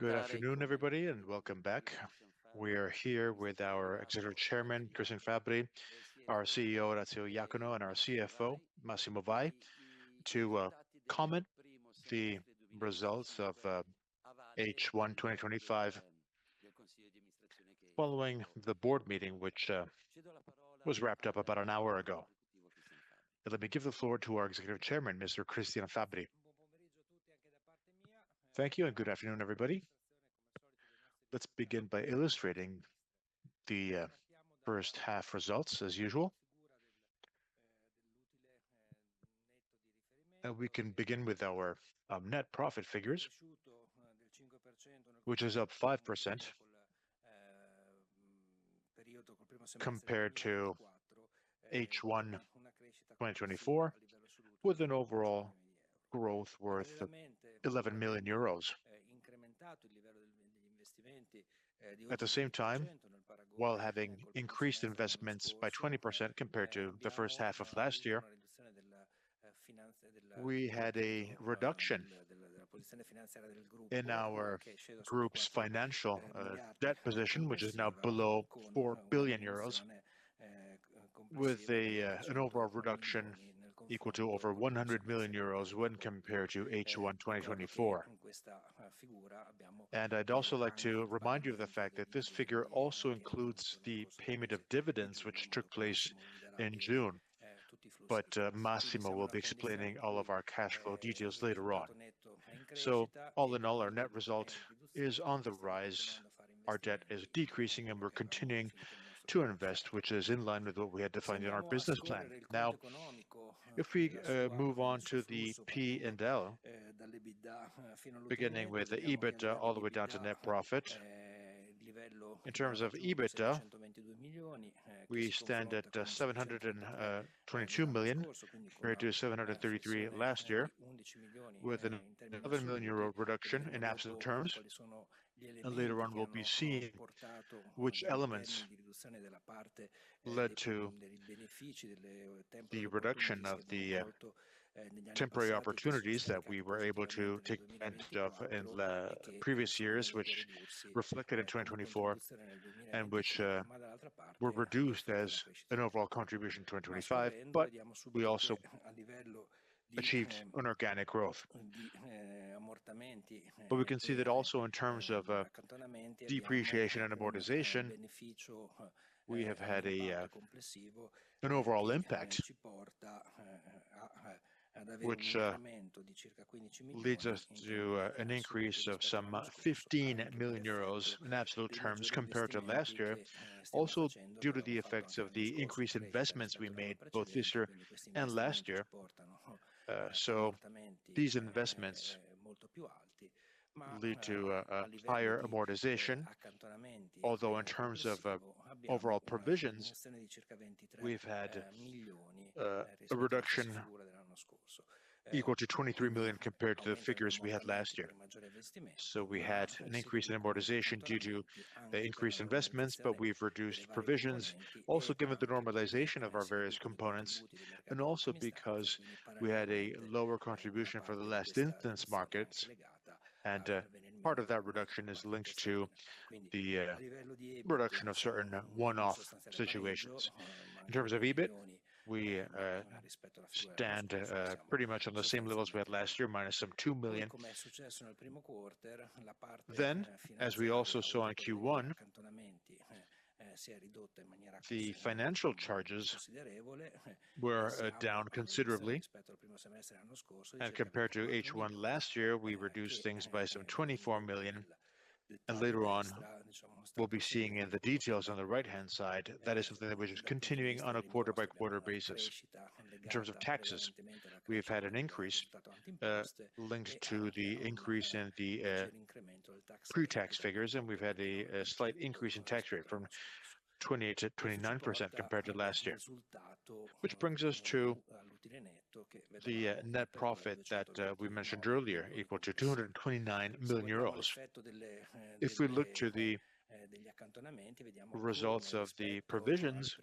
Good afternoon everybody and welcome back. We are here with our Executive Chairman Cristian Fabbri, our CEO Orazio Iacono, and our CFO Massimo Valle to comment the results of H1 2025 following the board meeting, which was wrapped up about an hour ago. Let me give the floor to our Executive Chairman, Mr. Cristian Fabbri. ' Thank you and good afternoon everybody. Let's begin by illustrating the first half results as usual. We can begin with our net profit figures, which is up 5% compared to H1 2024, with an overall growth worth EUR 11 million. At the same time, while having increased investments by 20% compared to the first half of last year, we had a reduction in our group's financial debt position, which is now below 4 billion euros, with an overall reduction equal to over 100 million euros when compared to H1 2024. I'd also like to remind you of the fact that this figure also includes the payment of dividends which took place in June. Massimo will be explaining all of our cash flow details later on. All in all, our net result is on the rise, our debt is decreasing and we're continuing to invest, which is in line with what we had defined in our business plan. Now if we move on to the P&L, beginning with the EBITDA, all the way down to net profit. In terms of EBITDA, we stand at 722 million compared to 733 million last year with an 11 million euro reduction. In absolute terms, and later on we'll be seeing which elements led to the reduction of the temporary opportunities that we were able to take advantage of in previous years, which reflected in 2024 and which were reduced as an overall contribution in 2025. We also achieved inorganic growth. We can see that also in terms of depreciation and amortization we have had an overall impact which leads us to an increase of some 15 million euros in absolute terms compared to last year, also due to the effects of the increased investments we made both this year and last year. These investments lead to higher amortization, although in terms of overall provisions we've had a reduction equal to 23 million compared to the figures we had last year. We had an increase in amortization due to the increased investments, but we've reduced provisions also given the normalization of our various components, and also because we had a lower contribution for the last instance markets, and part of that reduction is linked to the production of certain one-off situations. In terms of EBIT, we stand pretty much on the same levels we had last year minus some 2 million. As we also saw in Q1, the financial charges were down considerably and compared to H1 last year we reduced things by some 24 million. Later on we'll be seeing in the details on the right-hand side, that is something that was continuing on a quarter-by-quarter basis. In terms of taxes, we've had an increase linked to the increase in the pre-tax figures and we've had a slight increase in tax rate from 28% to 29% compared to last year, which brings us to the net profit that we mentioned earlier, equal to 229 million euros. If we look to the results of the provisions,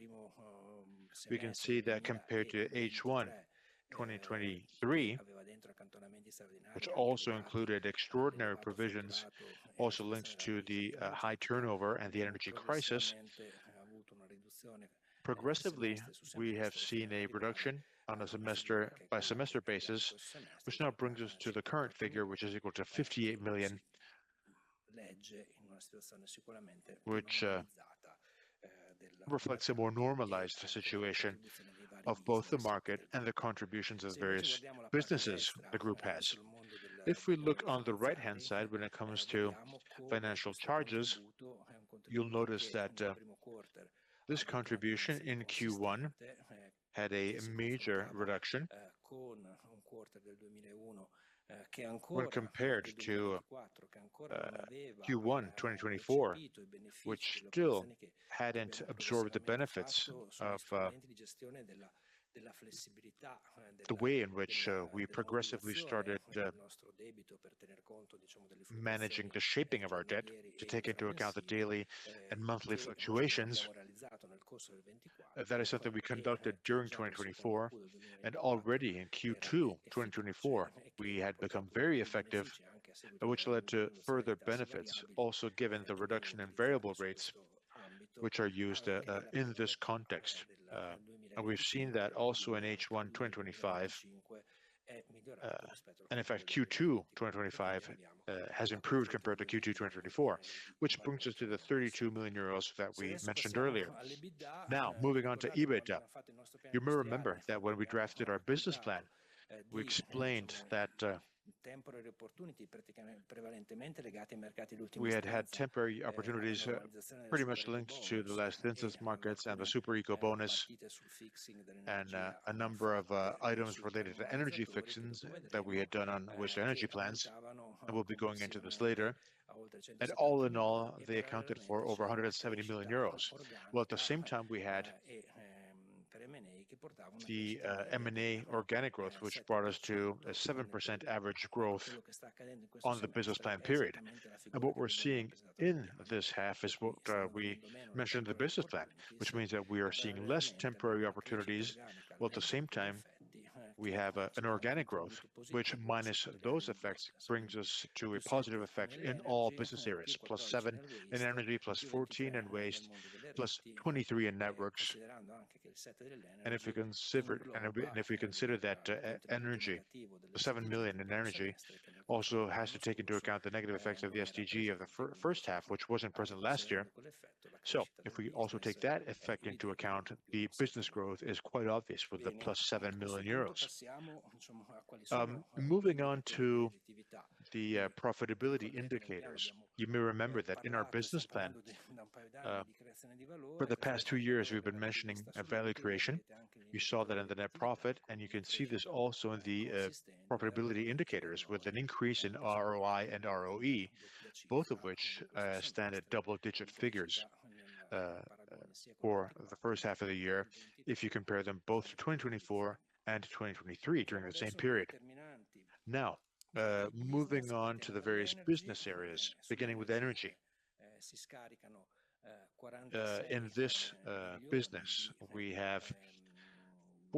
we can see that compared to H1 2023, which also included extraordinary provisions, also linked to the high turnover and the energy crisis, progressively we have seen a reduction on a semester-by-semester basis, which now brings us to the current figure which is equal to 58 million, which reflects a more normalized situation of both the market and the contributions of various businesses the group has. If we look on the right-hand side when it comes to financial charges, you'll notice that this contribution in Q1 had a major reduction when compared to Q1 2024, which still hadn't absorbed the benefits of the way in which we progressively started managing the shaping of our debt to take into account the daily and monthly fluctuations. That is something we conducted during 2024 and already in Q2 2024 we had become very effective which led to further benefits also given the reduction in variable rates which are used in this context. We've seen that also in H1 2025 and in fact Q2 2025 has improved compared to Q2 2024, which brings us to the 32 million euros that we mentioned earlier. Now moving on to EBITDA, you may remember that when we drafted our business plan, we explained that we had had temporary opportunities pretty much linked to the last census and the super Eco bonus and a number of items related to energy fixings that we had done on Hera's energy plans. We'll be going into this later. All in all they accounted for over 170 million euros. At the same time we had the M&A organic growth which brought us to a 7% average growth on the business plan period. What we're seeing in this half is what we mentioned, the business plan, which means that we are seeing less temporary opportunities. At the same time we have an organic growth which minus those effects brings us to a positive effect in all business areas, +7 in energy, +14 in waste, +43 in networks. If you consider, if we consider that energy, 7 million in energy also has to take into account the negative effects of the SDG of the first half, which wasn't present last year. If we also take that effect into account, the business growth is quite obvious with the EU7 million. Moving on to the profitability indicators, you may remember that in our business plan for the past two years we've been mentioning value creation. You saw that in the net profit and you can see this also in the profitability indicators with an increase in ROI and ROE, both of which stand at double digit figures for the first half of the year, if you compare them both to 2024 and 2023 during the same period. Now moving on to the various business areas, beginning with energy. In this business we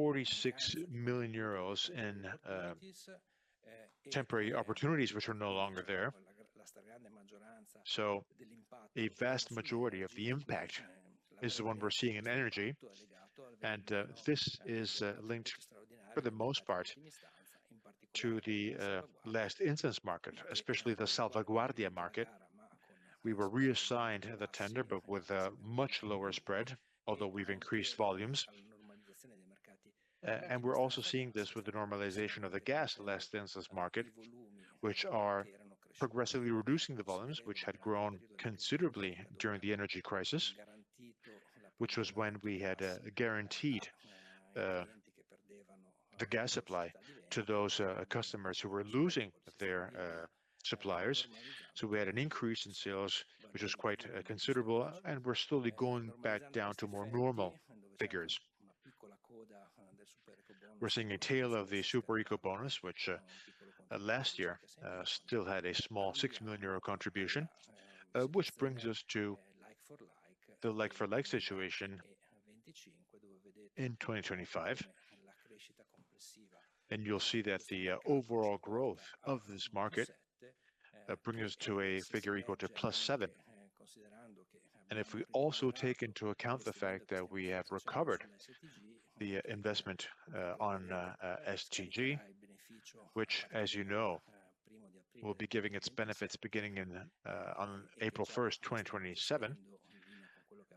have 46 million euros in temporary opportunities which are no longer there. A vast majority of the impact is the one we're seeing in energy. This is linked for the most part to the last instance market, especially the Selva Guardia market. We were reassigned the tender, but with a much lower spread, although we've increased volumes. We're also seeing this with the normalization of the gas less denseless market, which are progressively reducing the volumes, which had grown considerably during the energy crisis, which was when we had guaranteed the gas supply to those customers who were losing their suppliers. We had an increase in sales, which is quite considerable, and we're slowly going back down to more normal figures. We're seeing a tail of the Super Eco bonus, which last year still had a small 6 million euro contribution, which brings us to the like for like situation in 2025. You'll see that the overall growth of this market brings us to a figure equal to +7. If we also take into account the fact that we have recovered the investment on SDG, which as you know, will be giving its benefits beginning on April 1st, 2027,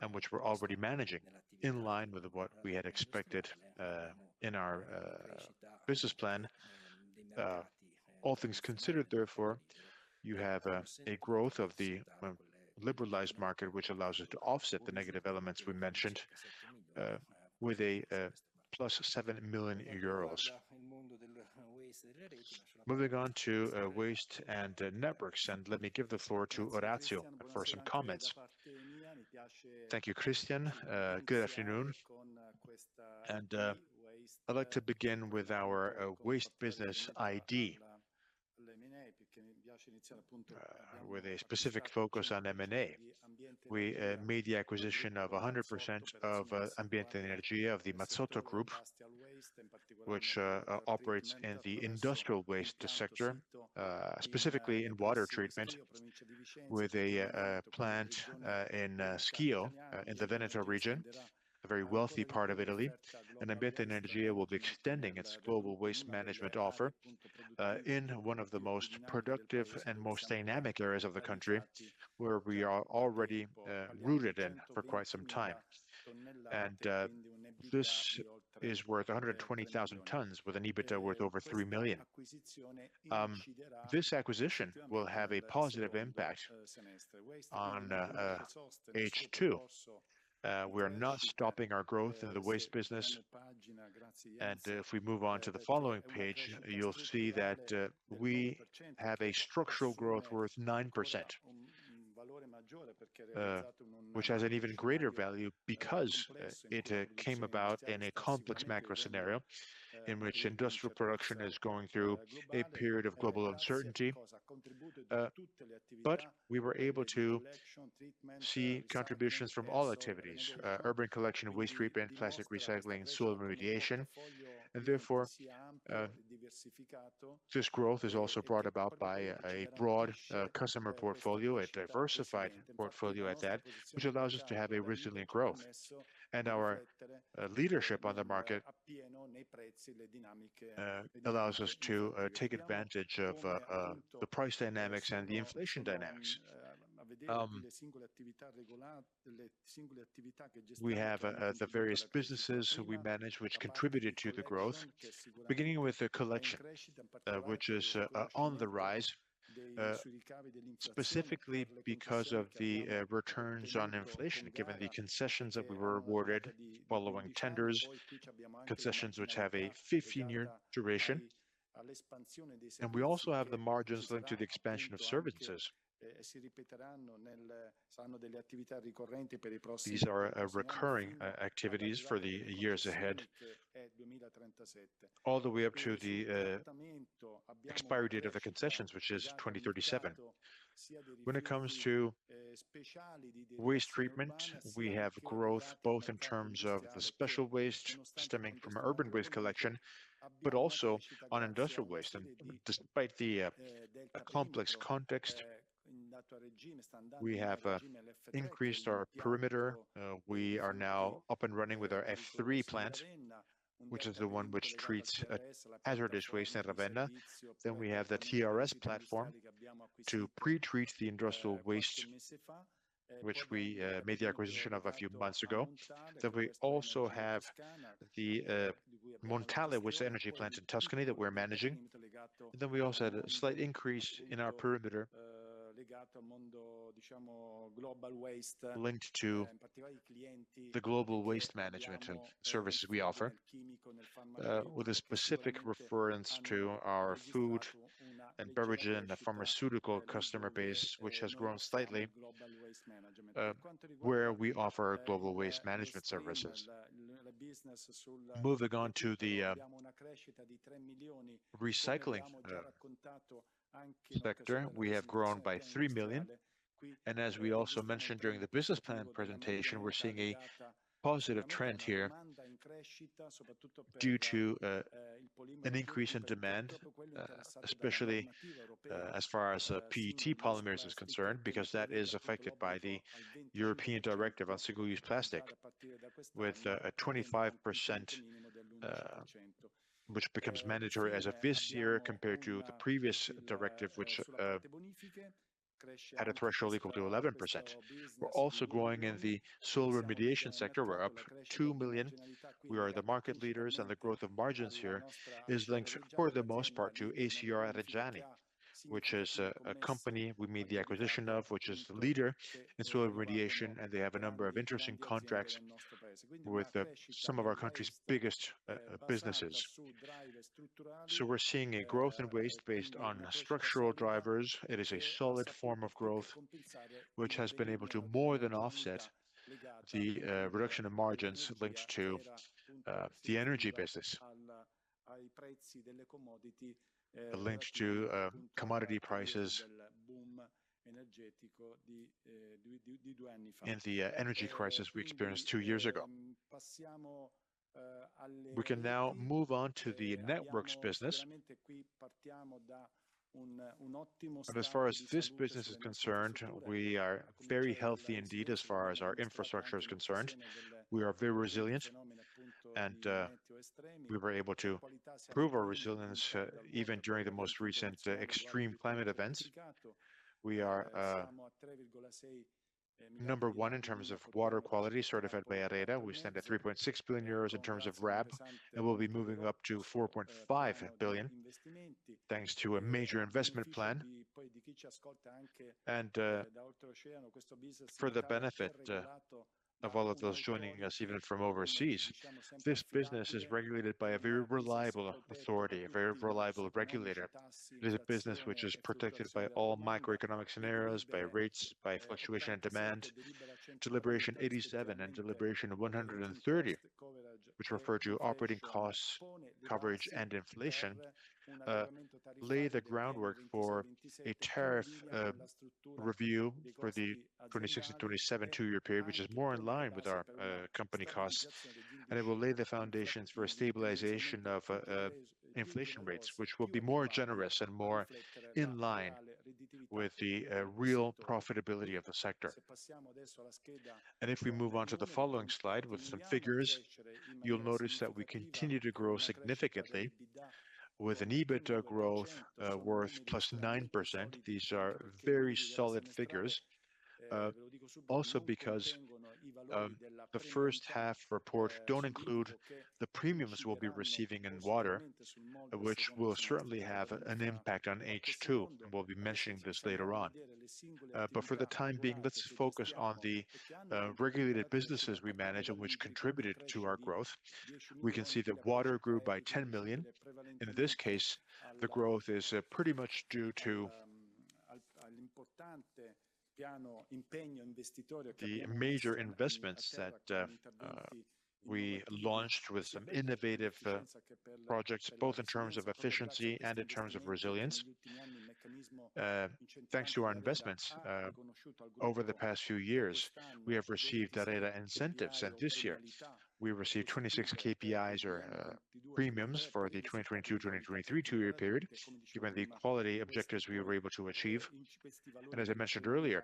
and which we're already managing in line with what we had expected in our business plan, all things considered. Therefore, you have a growth of the liberalized market, which allows us to offset the negative elements we mentioned with a +7 million euros. Moving on to waste and networks. Let me give the floor to Orazio for some comments. Thank you, Cristian. Good afternoon. I'd like to begin with our waste business ID with a specific focus on M&A. We made the acquisition of 100% of Ambiente Energia of the Mazzotto Group, which operates in the industrial waste sector, specifically in water treatment, with a plant in Scio in the Veneto region, a very wealthy part of Italy. Ambiente Energia will be extending its global waste management offer in one of the most productive and most dynamic areas of the country, where we are already rooted in for quite some time. This is worth 120,000 tons, with an EBITDA worth over 3 million. This acquisition will have a positive impact on H2. We are not stopping our growth in the waste business. If we move on to the following page, you'll see that we have a structural growth worth 9%, which has an even greater value because it came about in a complex macro scenario in which industrial production is going through a period of global uncertainty. We were able to see contributions from all activities: urban collection, waste treatment, plastic recycling, soil remediation. Therefore, this growth is also brought about by a broad customer portfolio, a diversified portfolio at that, which allows us to have a resilient growth. Our leadership on the market allows us to take advantage of the price dynamics and the inflation dynamics. We have the various businesses we manage which contributed to the growth, beginning with the collection, which is on the rise specifically because of the returns on inflation, given the concessions that we were awarded following tenders, concessions which have a 15-year duration. We also have the margins linked to the expansion of services. These are recurring activities for the years ahead, all the way up to the expiry date of the concessions, which is 2037. When it comes to waste treatment, we have growth both in terms of the special waste stemming from urban waste collection, but also on industrial waste. Despite the complex context, we have increased our perimeter. We are now up and running with our F3 plant, which is the one which treats hazardous waste in Ravenna. We have the TRS platform to pre-treat the industrial waste, which we made the acquisition of a few months ago. We also have the Montale waste-to-energy plants in Tuscany that we're managing. We also had a slight increase in our perimeter. Global waste linked to the global waste management services we offer, with a specific reference to our food and beverage and the pharmaceutical customer base, which has grown slightly where we offer global waste management services. Moving on to the recycling sector, we have grown by 3 million. As we also mentioned during the business plan presentation, we're seeing a positive trend here due to an increase in demand, especially as far as PET polymers is concerned, because that is affected by the European Directive on single use plastic with a 25% which becomes mandatory as of this year compared to the previous directive, which had a threshold equal to 11%. We're also growing in the soil remediation sector. We're up 2 million. We are the market leaders and the growth of margins here is linked for the most part to ACR Reggiani, which is a company we made the acquisition of, which is the leader in soil remediation. They have a number of interesting contracts with some of our country's biggest businesses. We're seeing a growth in waste based on structural drivers. It is a solid form of growth which has been able to more than offset the reduction in margins linked to the energy business linked to commodity prices in the energy crisis we experienced two years ago. We can now move on to the networks business. As far as this business is concerned, we are very healthy indeed. As far as our infrastructure is concerned, we are very resilient and we were able to prove our resilience even during the most recent extreme climate events. We are number one in terms of water quality certified by Areda. We stand at 3.6 billion euros in terms of RAB, and we'll be moving up to 4.5 billion, thanks to a major investment plan. For the benefit of all of those joining us, even from overseas, this business is regulated by a very reliable authority, a very reliable regulator. It is a business which is protected by all microeconomic scenarios, by rates, by fluctuation and demand, Deliberation 87 and Deliberation 130, which refer to operating costs, coverage and inflation. These lay the groundwork for a tariff review for the 2026 to 2027 two-year period, which is more in line with our company costs. It will lay the foundations for a stabilization of inflation rates which will be more generous and more in line with the real profitability of the sector. If we move on to the following slide with some figures, you'll notice that we continue to grow significantly with an EBITDA growth worth +9%. These are very solid figures, also because the first half report doesn't include the premiums we'll be receiving in water, which will certainly have an impact on H2. We'll be mentioning this later on, but for the time being, let's focus on the regulated businesses we manage and which contributed to our growth. We can see that water grew by 10 million. In this case, the growth is pretty much due to the major investments that we launched with some innovative projects, both in terms of efficiency and in terms of resilience. Thanks to our investments over the past few years, we have received data, incentives, and this year we received 26 KPIs or premiums for the 2022-2023 two-year period. Given the quality objectives we were able to achieve, and as I mentioned earlier,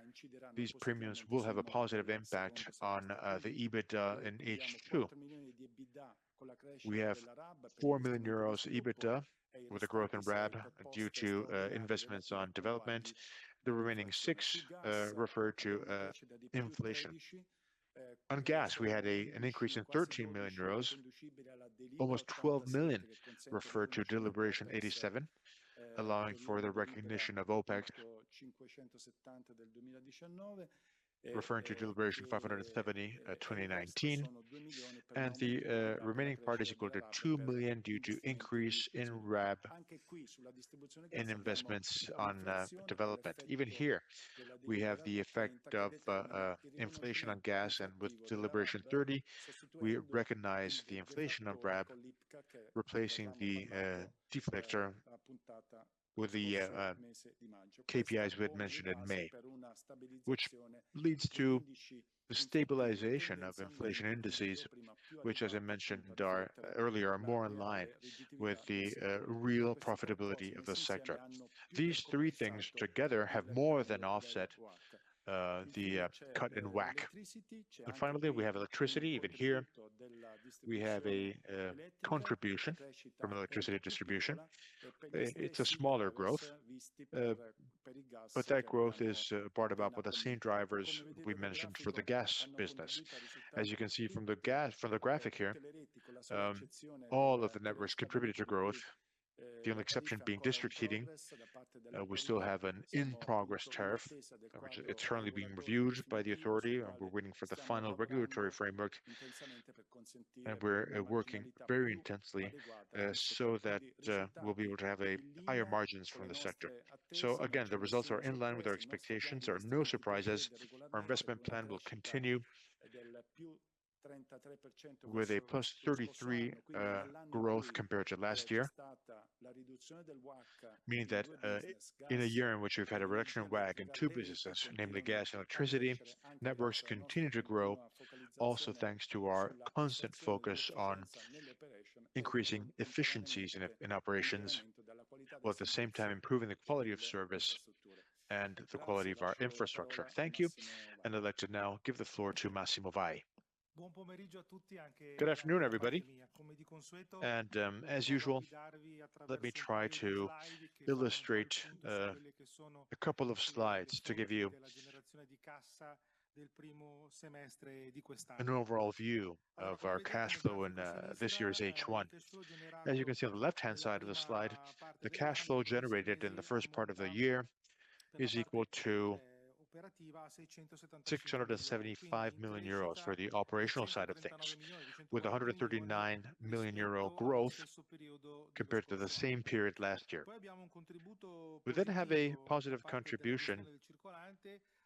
these premiums will have a positive impact on the EBITDA. In H2, we have 4 million euros EBITDA with the growth in RAD due to investments on development. The remaining six refer to inflation. On gas, we had an increase of 13 million euros. Almost 12 million referred to deliberation 87, allowing for the recognition of OpEx referring to deliberation 570, 2019. The remaining part is equal to 2 million due to increase in RAB in investments on development. Even here, we have the effect of inflation on gas, and with deliberation 30, we recognize the inflation of RAB, replacing the deflator with the KPIs we had mentioned in May, which leads to the stabilization of inflation indices, which, as I mentioned earlier, are more in line with the real profitability of the sector. These three things together have more than offset the cut in WACC. Finally, we have electricity. Even here, we have a contribution from electricity distribution. It's a smaller growth, but that growth is part of the same drivers we mentioned for the gas business. As you can see from the graphic here, all of the networks contributed to growth, the only exception being district heating. We still have an in-progress tariff, which is currently being reviewed by the authority, and we're waiting for the final regulatory framework. We're working very intensely so that we'll be able to have higher margins from the sector. The results are in line with our expectations. There are no surprises. Our investment plan will continue with a +33% growth compared to last year, meaning that in a year in which we've had a reduction in WAG in two businesses, namely gas and electricity networks, we continue to grow also thanks to our constant focus on increasing efficiencies in operations, while at the same time improving the quality of service and the quality of our infrastructure. Thank you. I'd like to now give the floor to Massimo Valle. Good afternoon everybody. As usual, let me try to illustrate a couple of slides to give you an overall view of our cash flow in this year's H1. As you can see on the left-hand side of the slide, the cash flow generated in the first part of the year is equal to 675 million euros for the operational side of things, with 139 million euro growth compared to the same period last year. We then have a positive contribution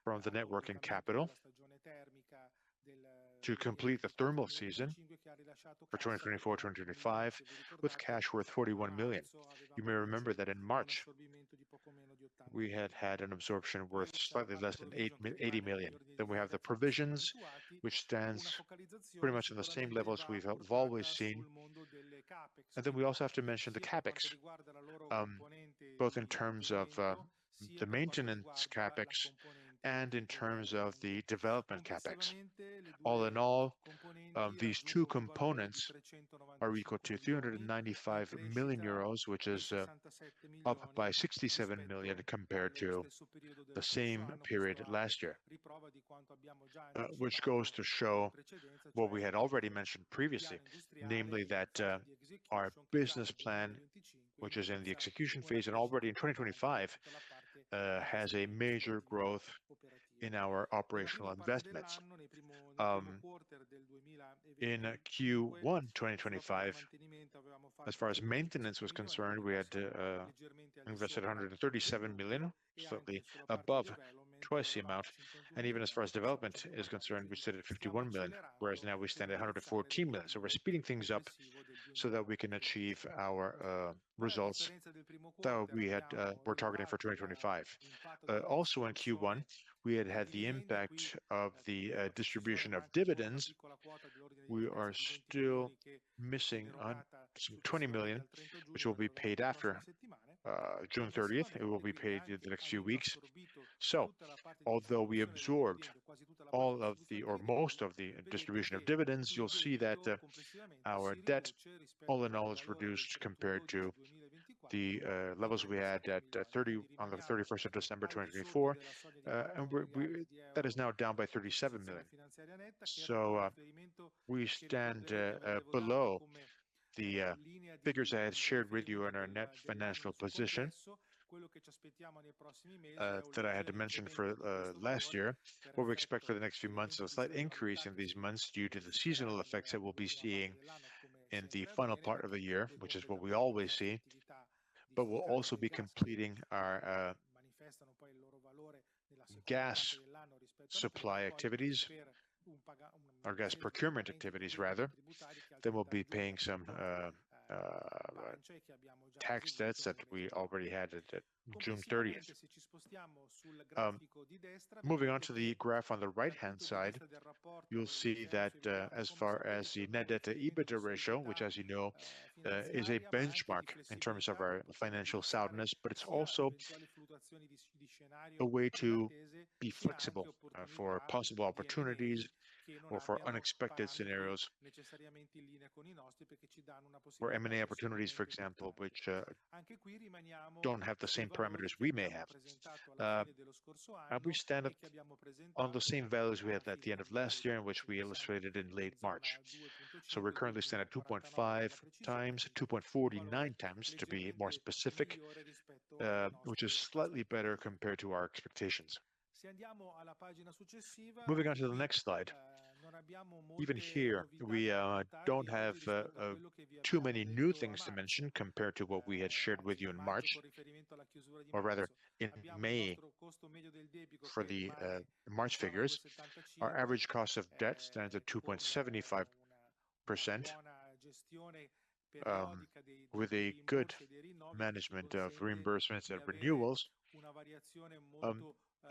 from the net working capital to complete the thermal season for 2024, 2025, with cash worth 41 million. You may remember that in March we had had an absorption worth slightly less than 80 million. We have the provisions, which stand pretty much on the same level as we've always seen. We also have to mention the CapEx, both in terms of the maintenance CapEx and in terms of the development CapEx. All in all, these two components are equal to 395 million euros, which is up by 67 million compared to the same period last year. This goes to show what we had already mentioned previously, namely that our business plan, which is in the execution phase and already in 2025, has a major growth in our operational investments. In Q1 2025, as far as maintenance was concerned, we had invested 137 million, slightly above twice the amount. Even as far as development is concerned, we sit at 51 million, whereas now we stand at 114 million. We're speeding things up so that we can achieve our results that we were targeting for 2025. Also, in Q1 we had had the impact of the distribution of dividends. We are still missing on some 20 million which will be paid after June 30th. It will be paid in the next few weeks. Although we absorbed all of the or most of the distribution of dividends, you'll see that our debt all in all is reduced compared to the levels we had at December 3rd, 2024, and that is now down by 37 million. We stand below the figures I had shared with you on our net financial position that I had to mention for last year. What we expect for the next few months, a slight increase in these months due to the seasonal effects that we'll be seeing in the final part of the year, which is what we always see, but we'll also be completing our gas supply activities, our gas procurement activities rather. We'll be paying some tax debts that we already had at June 30th. Moving on to the graph on the right hand side, you'll see that as far as the net debt/EBITDA ratio, which as you know is a benchmark in terms of our financial soundness, it's also a way to be flexible for possible opportunities or for unexpected scenarios where M&A opportunities, for example, which don't have the same parameters, we may have on the same values we had at the end of last year, in which we illustrated in late March. We're currently standing at 2.5x, 2.49x to be more specific, which is slightly better compared to our expectations. Moving on to the next slide, even here we don't have too many new things to mention compared to what we had shared with you in March or rather in May. For the March figures, our average cost of debt stands at 2.75% with a good management of reimbursements and renewals,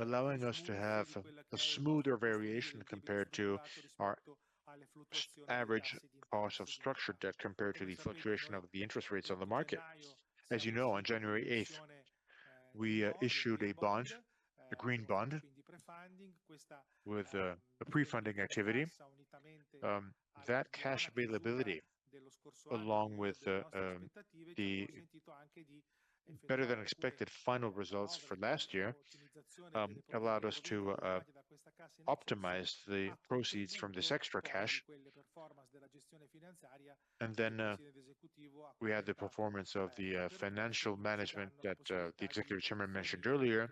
allowing us to have a smoother variation compared to our average cost of structured debt compared to the fluctuation of the interest rates on the market. As you know, on January 8th we issued a bond, a green bond with a pre-funding activity that cash availability, along with the better than expected final results for last year allowed us to optimize the proceeds from this extra cash. We had the performance of the financial management that the Executive Chairman mentioned earlier,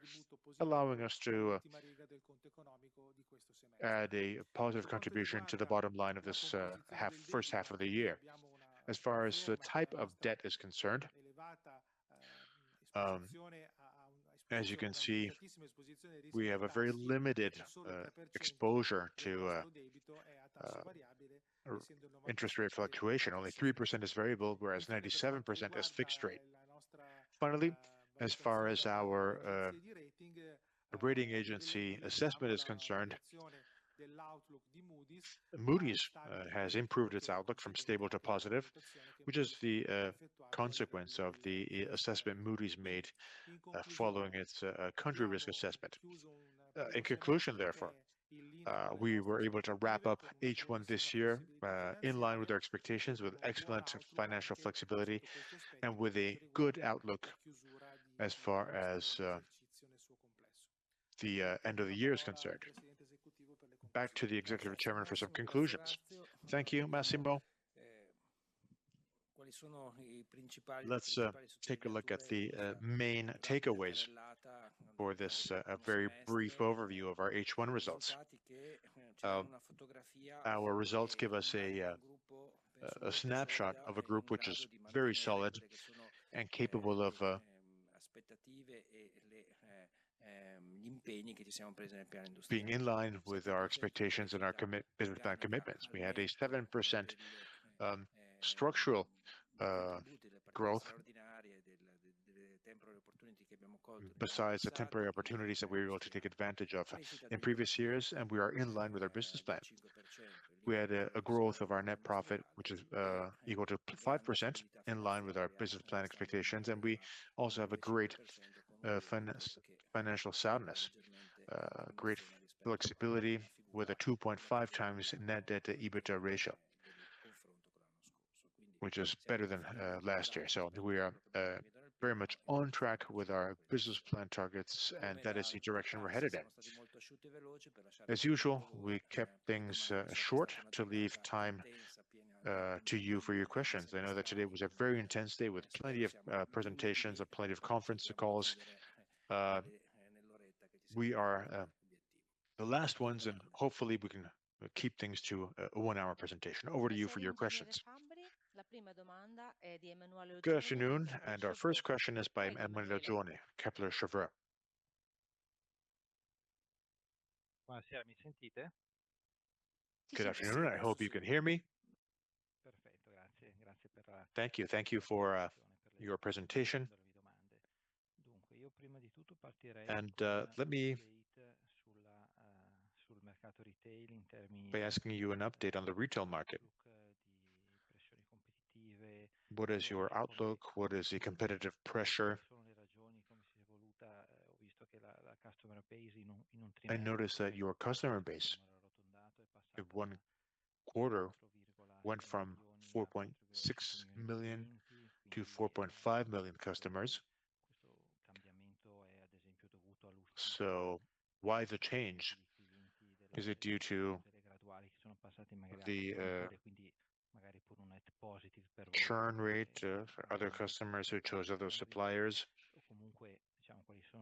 allowing us to add a positive contribution to the bottom line of this first half of the year. As far as the type of debt is concerned, as you can see we have a very limited exposure to interest rate fluctuation. Only 3% is variable whereas 97% is fixed rate. Finally, as far as our rating agency assessment is concerned, Moody’s has improved its outlook from stable to positive, which is the consequence of the assessment Moody’s made following its country risk assessment. In conclusion, therefore, we were able to wrap up H1 this year in line with our expectations with excellent financial flexibility and with a good outlook as far as the end of the year is concerned. Back to the Executive Chairman for some conclusions. Thank you, Massimo. Let's take a look at the main takeaways for this very brief overview of our H1 results. Our results give us a snapshot of a group which is very solid and capable of being in line with our expectations and our business plan commitments. We had a 7% structural growth besides the temporary opportunities that we were able to take advantage of in previous years and we are in line with our business plan. We had a growth of our net profit which is equal to 5% in line with our business plan expectations and we also have a great financial soundness, great flexibility with a 2.5x net debt/EBITDA ratio which is better than last year. We are very much on track with our business plan targets and that is the direction we're headed in. As usual, we kept things short to leave time to you for your questions. I know that today was a very intense day with plenty of presentations and plenty of conference calls. We are the last ones and hopefully we can keep things to a one hour presentation. Over to you for your questions. Good afternoon. Our first question is by Emmanuel Journe, Kepler Cheuvreux. Good afternoon. I hope you can hear me. Thank you. Thank you for your presentation. Let me start by asking you an update on the retail market. What is your outlook? What is the competitive pressure? I noticed that your customer base in Q1 went from 4.6 million to 4.5 million customers. Why the change? Is it due to the churn rate for other customers who chose other suppliers?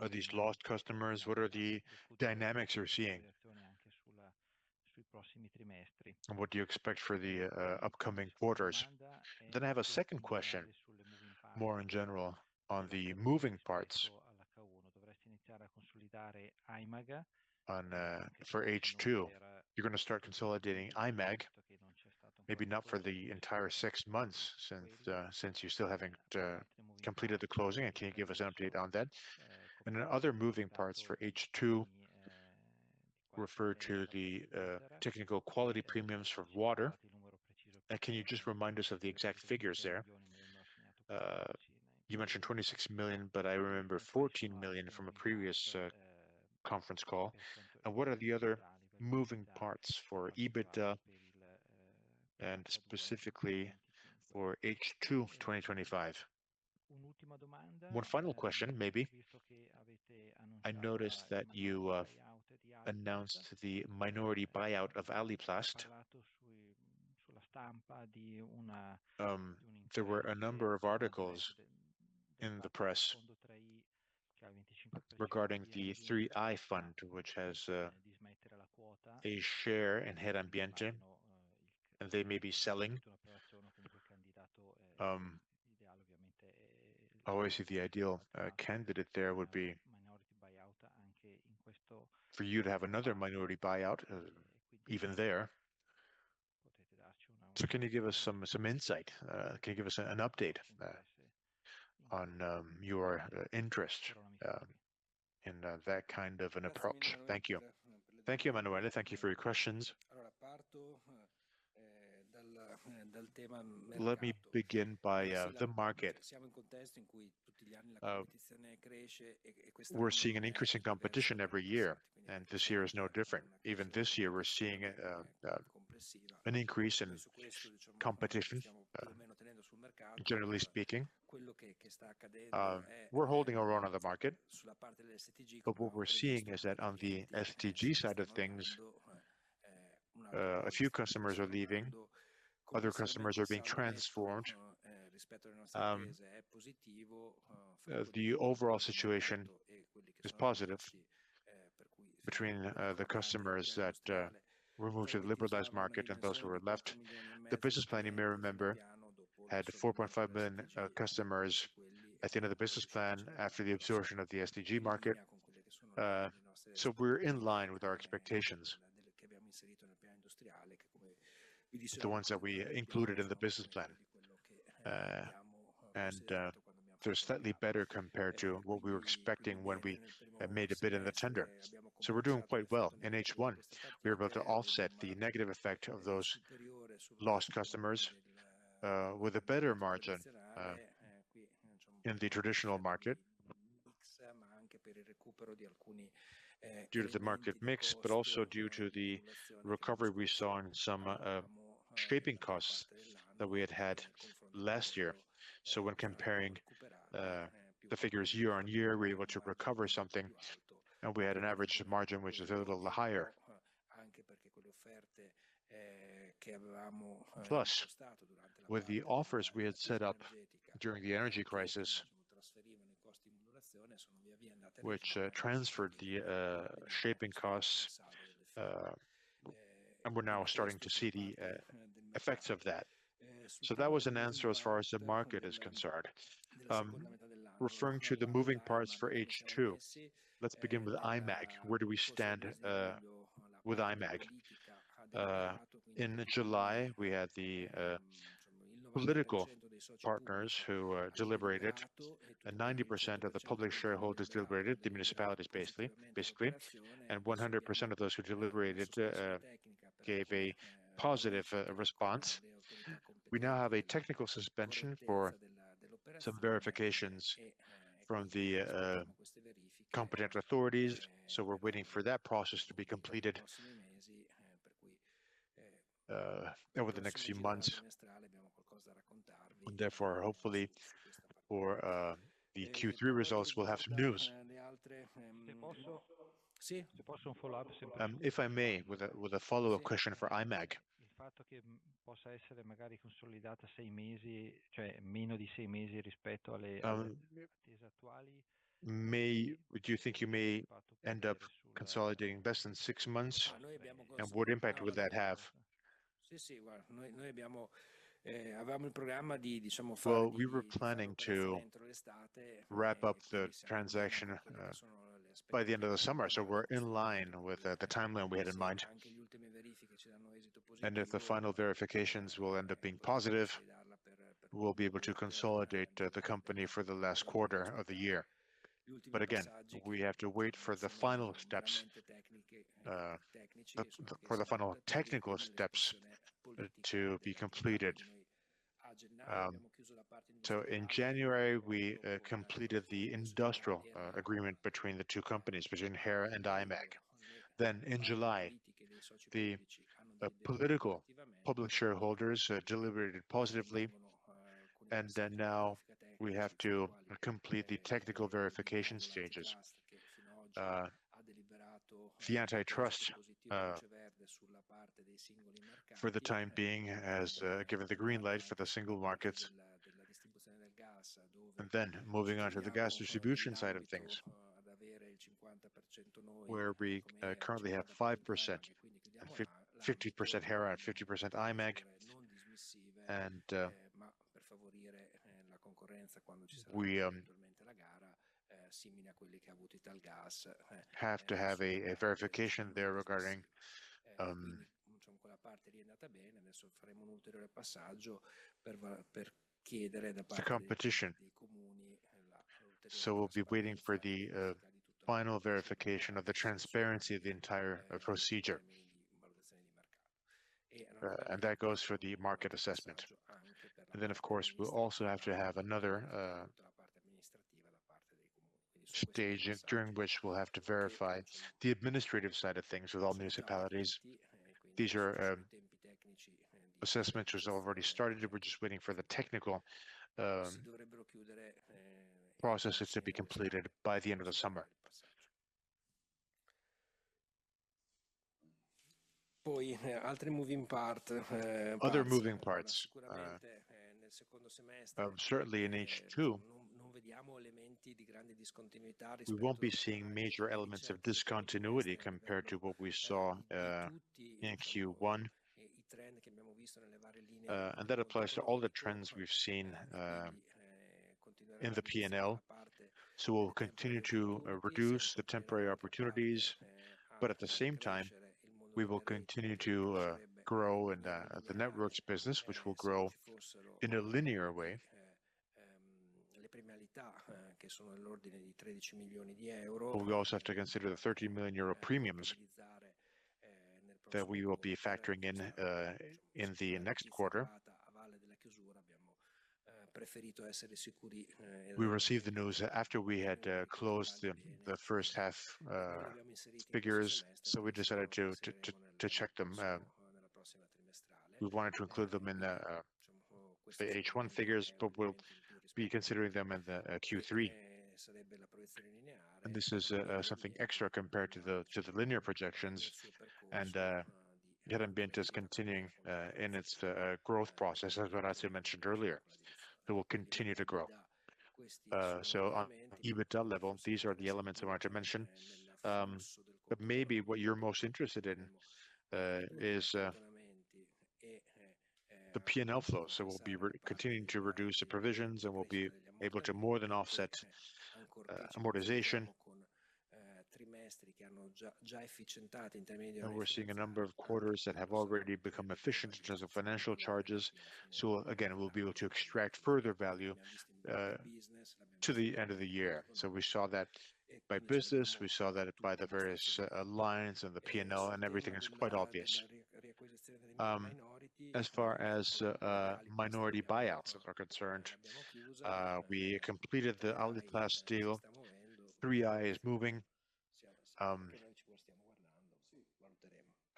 Are these lost customers? What are the dynamics you're seeing and what do you expect for the upcoming quarters? I have a second question, more in general on the moving parts for H2. You're going to start consolidating. I imagine maybe not for the entire six months since you still haven't completed the closing. Can you give us an update on that and other moving parts for H2? Refer to the technical quality premiums for water. Can you just remind us of the exact figures there? You mentioned 26 million, but I remember 14 million from a previous conference call. What are the other moving parts for EBITDA and specifically for H2 2025? One final question. I noticed that you announced the minority buyout of Aliplast. There were a number of articles in the press regarding the 3i fund which has a share in Hera Ambiente and they may be selling. Obviously the ideal candidate there would be for you to have another minority buyout even there. Can you give us some insight? Can you give us an update on your interest in that kind of an approach? Thank you. Thank you, Emanuel. Thank you for your questions. Let me begin by the market. We're seeing an increase in competition every year, and this year is no different. Even this year we're seeing an increase in competition. Generally speaking, we're holding our own on the market. What we're seeing is that on the SDG side of things, a few customers are leaving, other customers are being transformed. The overall situation is positive between the customers that moved to the liberalized market and those who were left. The business plan, you may remember, had 4.5 million customers at the end of the business plan after the absorption of the SDG market. We're in line with our expectations, the ones that we included in the business plan, and they're slightly better compared to what we were expecting when we made a bid in the tender. We're doing quite well. In H1 we were able to offset the negative effect of those lost customers with a better margin in the traditional market, due to the market mix, but also due to the recovery we saw in some shaping costs that we had had last year. When comparing the figures year on year, we're able to recover something, and we had an average margin which is a little higher. Plus, with the offers we had set up during the energy crisis, which transferred the shaping costs, we're now starting to see the effects of that. That was an answer as far as the market is concerned. Referring to the moving parts for H2, let's begin with IMAG. Where do we stand with IMAG? In July we had the political partners who deliberated, and 90% of the public shareholders deliberated, the municipalities basically, and 100% of those who deliberated gave a positive response. We now have a technical suspension for some verifications from the competent authorities. We're waiting for that process to be completed over the next few months. Therefore, hopefully for the Q3 results, we'll have some news. If I may, with a follow-up question for IMAG, do you think you may end up consolidating less than six months, and what impact would that have? We were planning to wrap up the transaction by the end of the summer. We're in line with the timeline we had in mind, and if the final verifications will end up being positive, we'll be able to consolidate the company for the last quarter of the year. Again, we have to wait for the final steps, for the final technical steps to be completed. In January, we completed the industrial agreement between the two companies, between Hera and IMAG. In July, the political public shareholders deliberated positively, and now we have to complete the technical verification stages. The antitrust, for the time being, has given the green light for the single markets. Moving on to the gas distribution side of things, where we currently have 50% Hera and 50% IMAG, we have to have a verification there regarding competition. We will be waiting for the final verification of the transparency of the entire procedure, and that goes for the market assessment. Of course, we will also have to have another stage during which we will have to verify the administrative side of things with all municipalities. These assessments have already started. We are just waiting for the technical processes to be completed by the end of the summer. Other moving parts: certainly in H2 we will not be seeing major elements of discontinuity compared to what we saw in Q1, and that applies to all the trends we have seen in the P&L. We will continue to reduce the temporary opportunities, but at the same time we will continue to grow, and the networks business will grow in a linear way. We also have to consider the 13 million euro premiums that we will be factoring in in the next quarter. We received the news after we had closed the first half figures, so we decided to check them. We wanted to include them in the H1 figures, but we will be considering them in Q3. This is something extra compared to the linear projections and is continuing in its growth process. As Orazio mentioned earlier, it will continue to grow. On EBITDA level, these are the elements I wanted to mention. Maybe what you are most interested in is the P&L flow. We will be continuing to reduce the provisions, and we will be able to more than offset amortization. We are seeing a number of quarters that have already become efficient in terms of financial charges. We will be able to extract further value to the end of the year. We saw that by business, we saw that by the various lines and the P&L. Everything is quite obvious as far as minority buyouts are concerned. We completed the Aliplast deal. 3i is moving,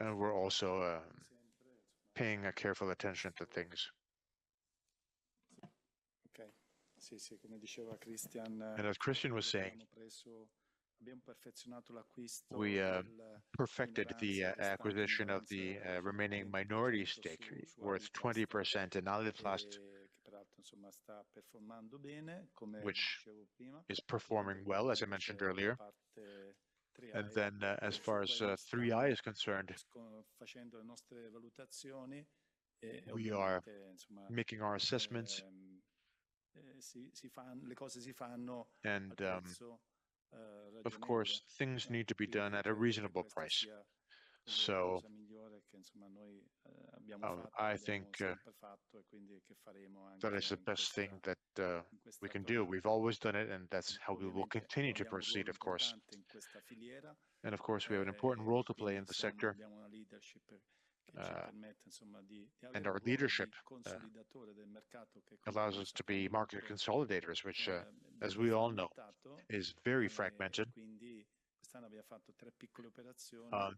and we are also paying careful attention to things. Okay. As Cristian was saying, we perfected the acquisition of the remaining minority stake worth 20% in Aliplast last, which is performing well, as I mentioned earlier. As far as 3i is concerned, we are making our assessments and of course things need to be done at a reasonable price. I think that is the best thing that we can do. We've always done it and that's how we will continue to proceed. Of course, we have an important role to play in the sector and our leadership allows us to be market consolidators, which as we all know, is very fragmented.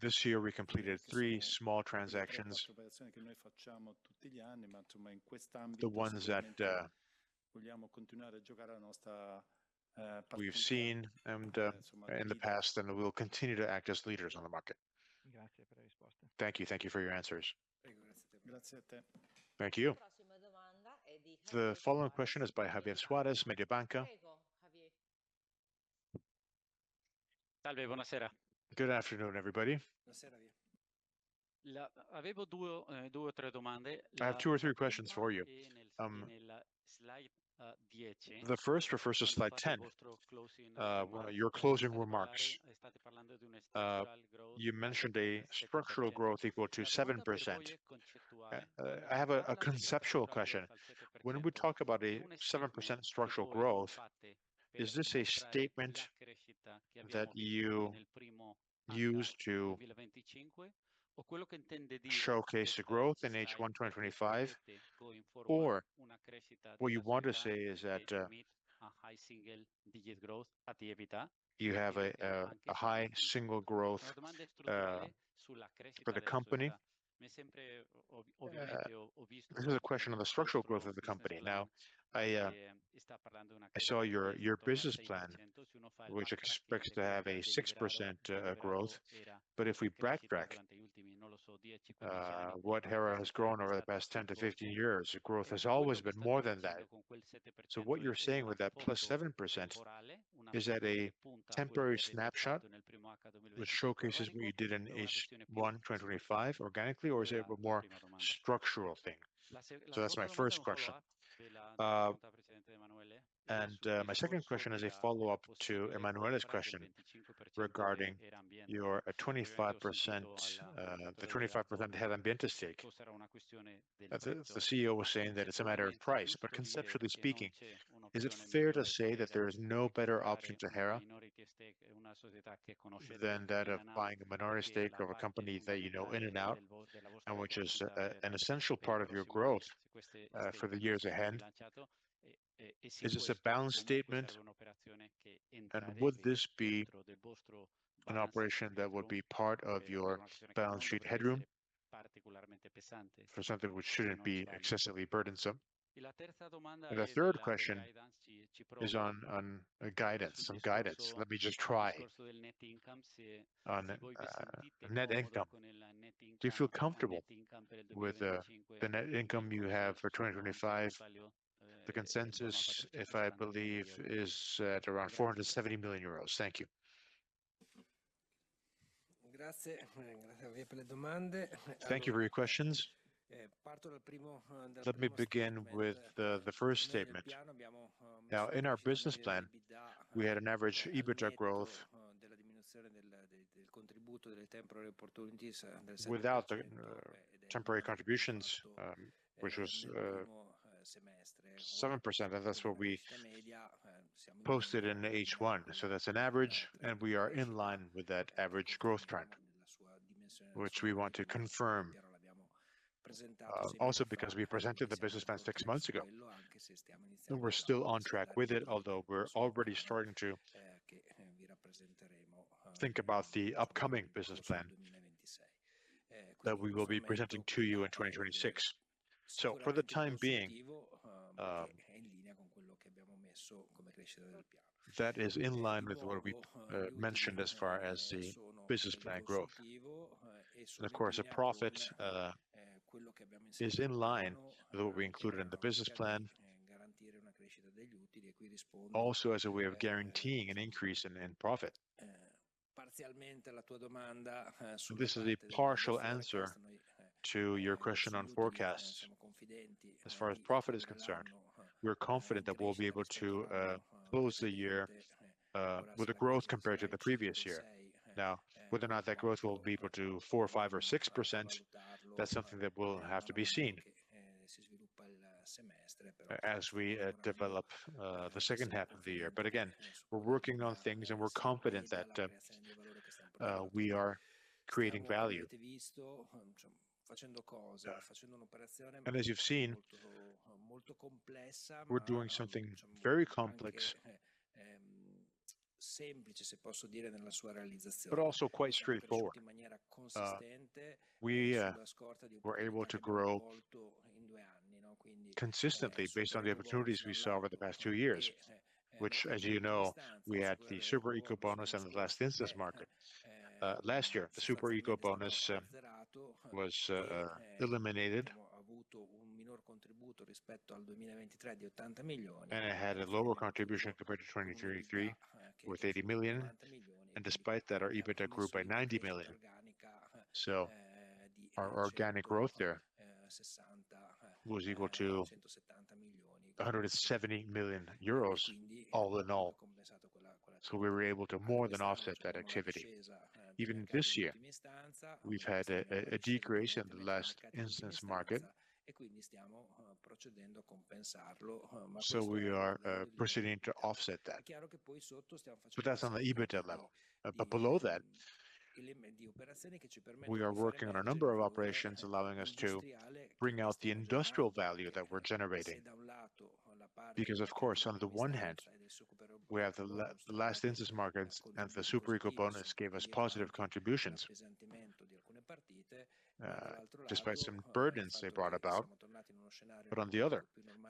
This year we completed three small transactions, the ones that we've seen in the past, and we'll continue to act as leaders on the market. Thank you. Thank you for your answers. Thank you. The following question is by Javier Suarez Med. Good afternoon, everybody. I have two or three questions for you. The first refers to slide 10, your closing remarks. You mentioned a structural growth equal to 7%. I have a conceptual question. When we talk about a 7% structural growth, is this a statement that you use to showcase the growth in H1 2025? Or what you want to say is that a high single digit growth, you have a high single growth for the company. This is a question on the structural growth of the company. I saw your business plan, which expects to have a 6% growth. If we backtrack what Hera has grown over the past 10 to 15 years, growth has always been more than that. What you're saying with that +7%, is that a temporary snapshot which showcases what you did in H1 2025 organically, or is it more structural thing? That's my first question. My second question is a follow up to Emanuel's question regarding your 25%. The 25%, Hera Ambiente's stake. The CEO was saying that it's a matter of price. Conceptually speaking, is it fair to say that there is no better option to Hera than that of buying a minority stake of a company that you know in and out and which is an essential part of your growth for the years ahead? Is this a balance statement? Would this be an operation that would be part of your balance sheet headroom for something which shouldn't be excessively burdensome? The third question is on guidance. Some guidance. Let me just try. On net income, do you feel comfortable with the net income you have for 2025? The consensus, if I believe, is at around 470 million euros. Thank you. Thank you for your questions. Let me begin with the first statement. Now, in our business plan, we had an average EBITDA growth without the temporary contributions, which was 7%, and that's what we posted in H1. That's an average and we are in line with that average growth trend, which we want to confirm. Also, because we presented the business plan six months ago and we're still on track with it, although we're already starting to think about the upcoming business plan that we will be presenting to you in 2026. For the time being, that is in line with what we mentioned as far as the business plan growth. Of course, a profit is in line with what we included in the business plan, also as a way of guaranteeing an increase in profit. This is a partial answer to your question on forecasts. As far as profit is concerned, we're confident that we'll be able to close the year with the growth compared to the previous year. Now, whether or not that growth will be to 4%, 5% or 6%, that's something that will have to be seen as we develop the second half of the year. Again, we're working on things and we're confident that we are creating value. As you've seen, we're doing something very complex, but also quite straightforward. We're able to grow consistently based on the opportunities we saw over the past two years, which, as you know, we had the Super Eco Bonus and the last instance market. Last year, the Super Eco Bonus was eliminated and it had a lower contribution compared to 2023 with 80 million. Despite that, our EBITDA grew by 90 million. Our organic growth there was equal to 170 million euros all in all. We were able to more than offset that activity. Even this year we've had a decrease in the last instance market, so we are proceeding to offset that. That's on the EBITDA level. Below that, we are working on a number of operations allowing us to bring out the industrial value that we're generating. Of course, on the one hand we have the last instance markets and the Super Eco Bonus gave us positive contributions despite some burdens they brought about. On the other,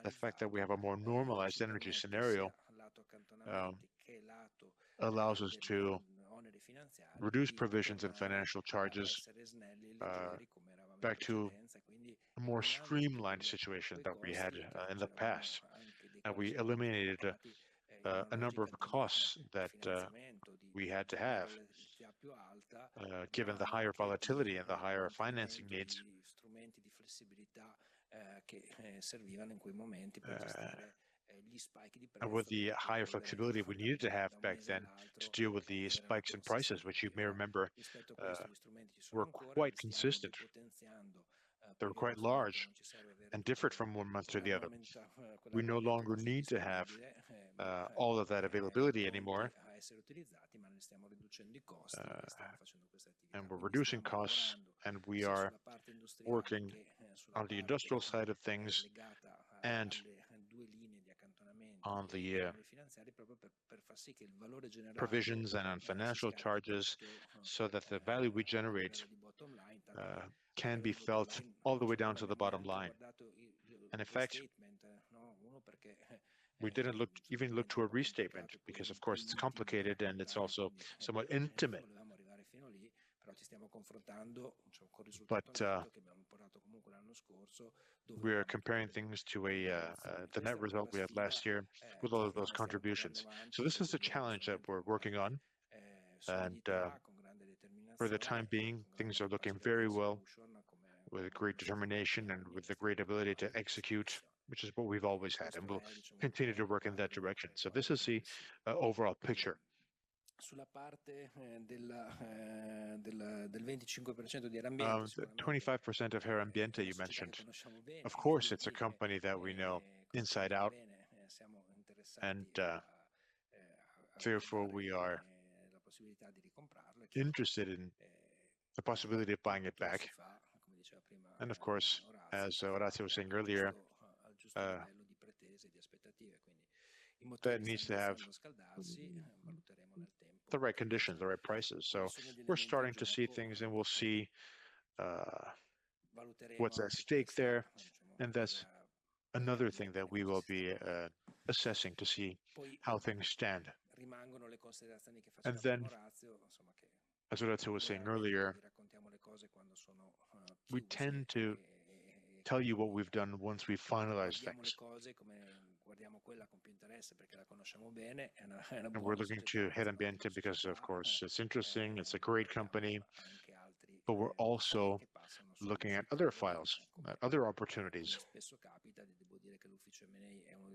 the fact that we have a more normalized energy scenario allows us to reduce provisions and financial charges back to a more streamlined situation that we had in the past. We eliminated a number of costs that we had to have given the higher volatility and the higher financing needs, with the higher flexibility we needed to have back then to deal with the spikes in prices, which you may remember were quite consistent, they were quite large and different from one month to the other. We no longer need to have all of that availability anymore, and we're reducing costs. We are working on the industrial side of things and on the provisions and on financial charges so that the value we generate can be felt all the way down to the bottom line. We didn't even look to a restatement because of course it's complicated and it's also somewhat intimate, but we are comparing things to the net result we had last year with all of those contributions. This is a challenge that we're working on. For the time being things are looking very well with a great determination and with the great ability to execute, which is what we've always had, and we'll continue to work in that direction. This is the overall picture of Hera Ambiente you mentioned. Of course, it's a company that we know inside out and very well. We are interested in the possibility of buying it back. As I was saying earlier, that needs to have the right conditions, the right prices. We're starting to see things and we'll see what's at stake there. That's another thing that we will be assessing to see how things stand. As Orazio was saying earlier, we tend to tell you what we've done once we finalize things. We're looking to Hera Ambiente because of course it's interesting, it's a great company, but we're also looking at other files, other opportunities,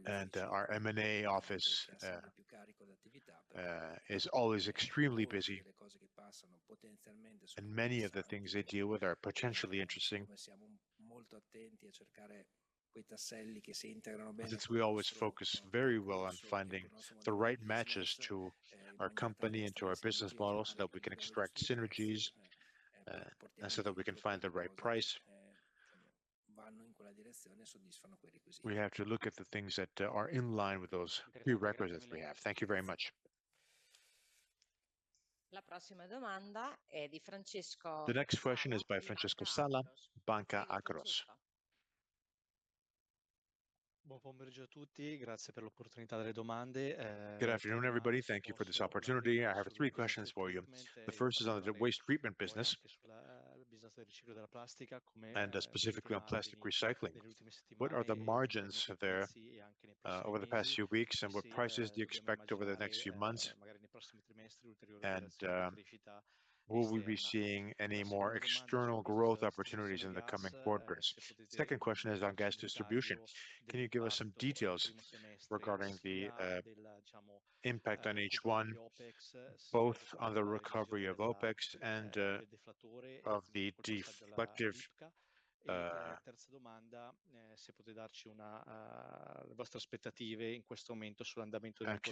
and our M&A office is always extremely busy and many of the things they deal with are potentially interesting. We always focus very well on finding the right matches to our company and to our business model so that we can extract synergies, so that we can find the right price. We have to look at the things that are in line with those new records that we have. Thank you very much. The next question is by Francesco Salah, Banca Akros. Good afternoon, everybody. Thank you for this opportunity. I have three questions for you. The first is on the waste treatment business and specifically on plastic recycling. What are the margins there over the past few weeks and what prices do you expect over the next few months? Will we be seeing any more external growth opportunities in the coming quarters? Second question is on gas distribution. Can you give us some details regarding the impact on each one, both on the recovery of OpEx and of the defective? Can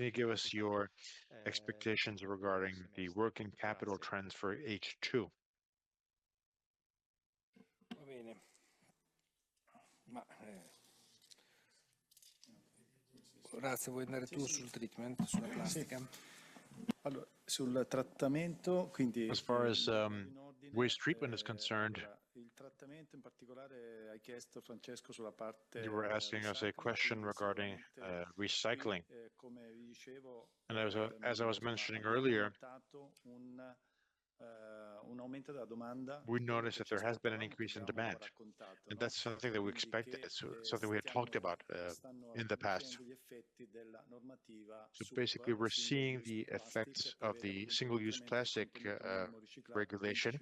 you give us your expectations regarding the working capital trends for H2 as far as waste treatment is concerned? You were asking us a question regarding recycling and as I was mentioning earlier, we noticed that there has been an increase in demand. That's something that we expected, something we had talked about in the past. Basically, we're seeing the effects of the single use plastic regulation,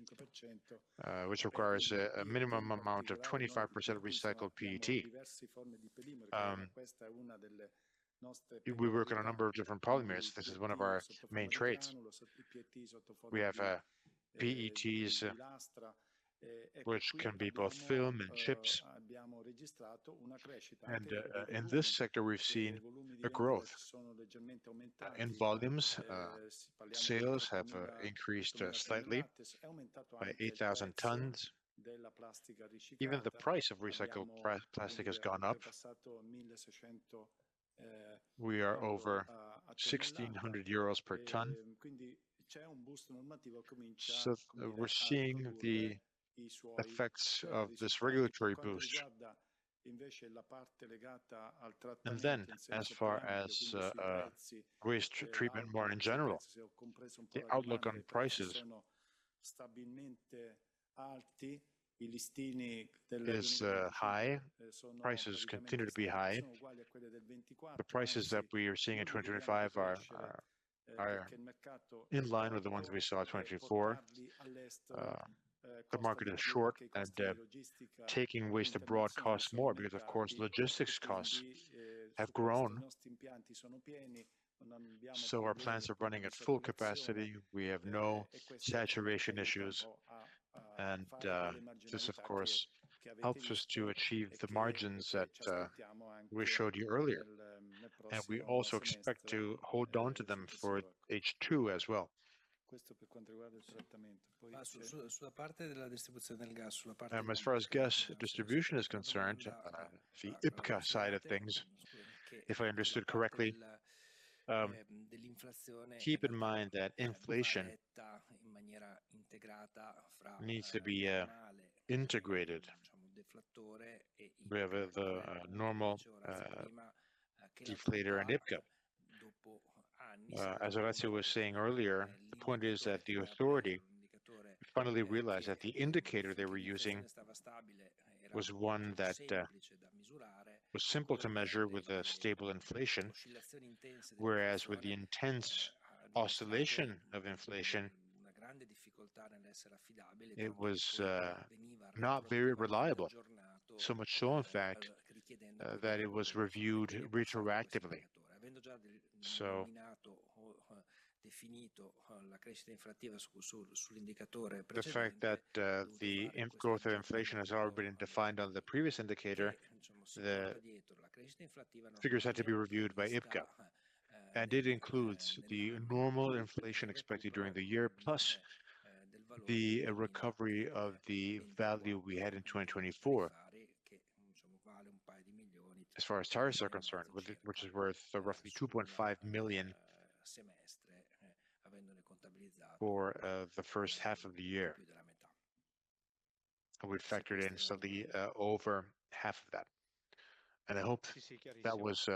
which requires a minimum amount of 25% recycled PET. We work on a number of different polymers. This is one of our main traits. We have PETs, which can be both film and chips. In this sector we've seen a growth in volumes. Sales have increased slightly by 8,000 tons. Even the price of recycled plastic has gone up. We are over 1,600 euros per ton. We're seeing the effects of this regulatory boost. As far as waste treatment more in general, the outlook on prices is high. Prices continue to be high. The prices that we are seeing in 2025 are in line with the ones we saw in 2024. The market is short and taking waste abroad costs more because, of course, logistics costs have grown. Our plants are running at full capacity. We have no saturation issues. This, of course, helps us to achieve the margins that we showed you earlier. We also expect to hold on to them for H2 as well. As far as gas distribution is concerned, the IPCA side of things, if I understood correctly. Keep in mind that inflation needs to be integrated. We have the normal deflator and IPCA, as Alessia was saying earlier. The point is that the authority finally realized that the indicator they were using was one that was simple to measure with a stable inflation, whereas with the intense oscillation of inflation, it was not very reliable. In fact, it was reviewed retroactively. The fact that the growth of inflation has already been defined on the previous indicator figures had to be reviewed by IPCA, and it includes the normal inflation expected during the year, plus the recovery of the value we had in 2024. As far as tires are concerned, which is worth roughly 2.5 million for the first half of the year, we factored in slightly over half of that. I hope that was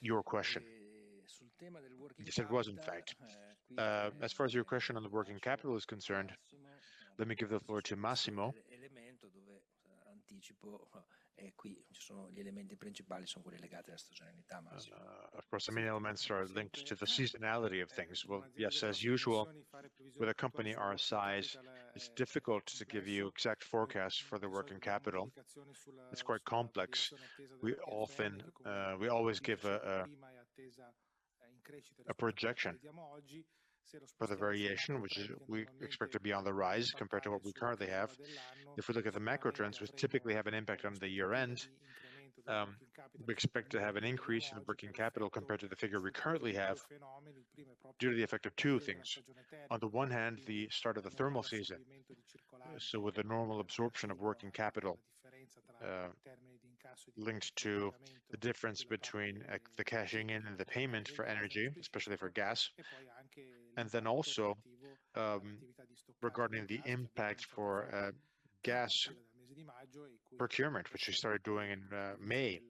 your question. Yes, it was. In fact, as far as your question on the working capital is concerned, let me give the floor to Massimo. Of course, the main elements are linked to the seasonality of things. Yes, as usual, with a company our size, it's difficult to give you exact forecasts for the working capital. It's quite complex. We always give a projection for the variation which we expect to be on the rise compared to what we currently have. If we look at the macro trends, which typically have an impact on the year end, we expect to have an increase in working capital compared to the figure we currently have, due to the effect of two things. On the one hand, the start of the thermal season, with the normal absorption of working capital linked to the difference between the cashing in and the payment for energy, especially for gas, and then also regarding the impact for gas procurement, which we started doing in May.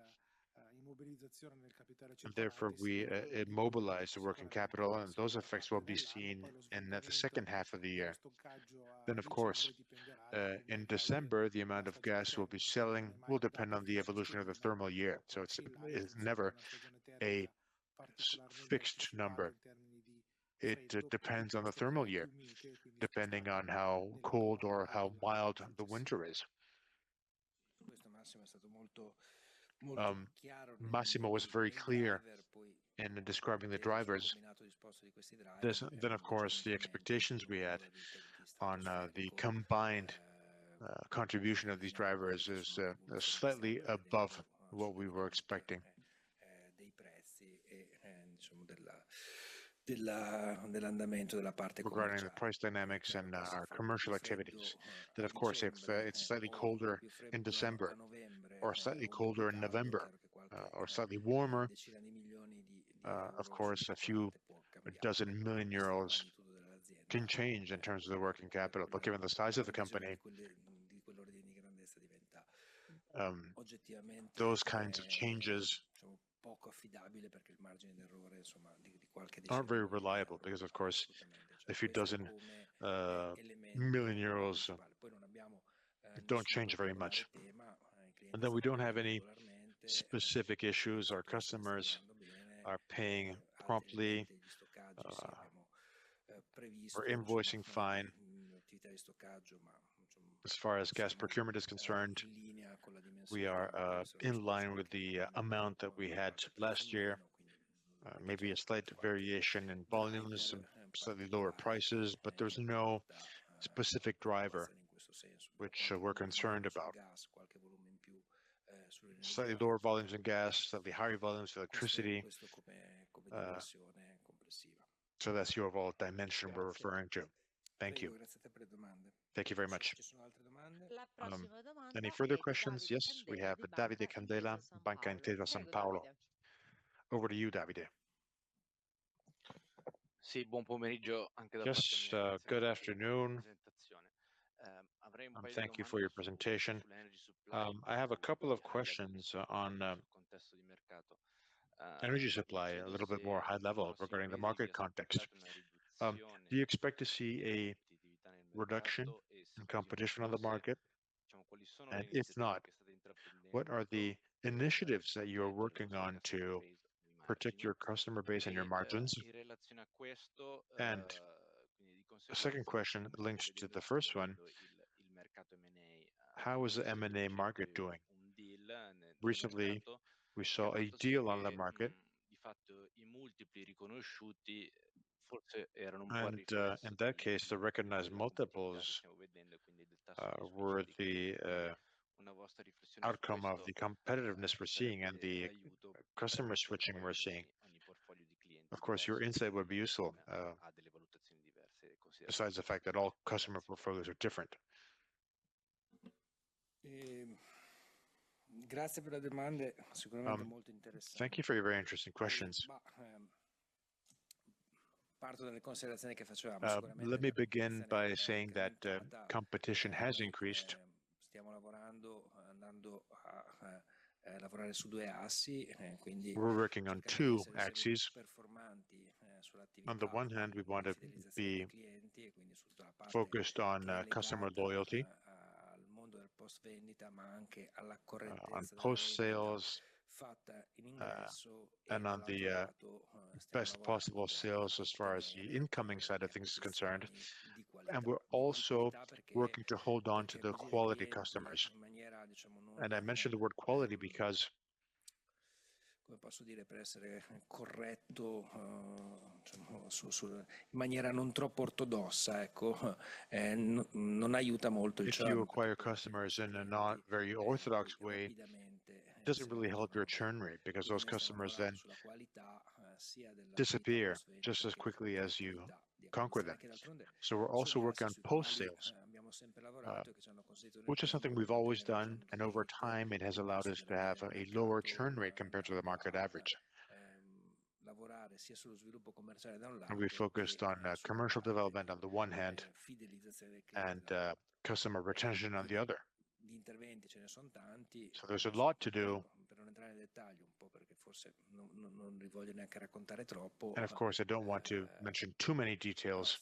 Therefore, we immobilize the working capital and those effects will be seen in the second half of the year. In December, the amount of gas we'll be selling will depend on the evolution of the thermal year. It's never a fixed number. It depends on the thermal year, depending on how cold or how mild the winter is. Massimo was very clear in describing the drivers. The expectations we had on the combined contribution of these drivers is slightly above what we were expecting regarding the price dynamics and our commercial activities. If it's slightly colder in December, or slightly colder in November, or slightly warmer, a few dozen million euros can change in terms of the working capital, but given the size of the company, those kinds of changes are very reliable. A few dozen million euros don't change very much and we don't have any specific issues. Our customers are paying promptly or invoicing. Fine. As far as gas procurement is concerned, we are in line with the amount that we had last year. Maybe a slight variation in volumes, slightly lower prices, but there's no specific driver which we're concerned about. Slightly lower volumes in gas, slightly higher volumes of electricity. That's your vault dimension we're referring to. Thank you. Thank you very much. Any further questions? Yes, we have Davide Candela, Banca Integra San Paolo. Over to you, Davide. Yes, good afternoon. Thank you for your presentation. I have a couple of questions on energy supply. A little bit more high level regarding the market context. Do you expect to see a reduction in competition on the market? It's not. What are the initiatives that you are working on to protect your customer base and your margins? The second question linked to the first one, how is the M&A market doing? Recently we saw a deal on the market. In that case, the recognized multiples were the outcome of the competitiveness we're seeing and the customer switching we're seeing. Of course, your insight would be useful besides the fact that all customer portfolios are different. Thank you for your very interesting questions. Let me begin by saying that competition has increased. We're working on two axes. On the one hand, we want to be focused on customer loyalty, on post sales, and on the best possible sales as far as the incoming side of things is concerned. We're also working to hold on to the quality customers, and I mention the word quality because if you acquire customers in a not very orthodox way, it doesn't really help your churn rate because those customers then disappear just as quickly as you conquer them. We're also working on post sales, which is something we've always done, and over time it has allowed us to have a lower churn rate compared to the market average. We focused on commercial development on the one hand and customer retention on the other. There's a lot to do. I don't want to mention too many details,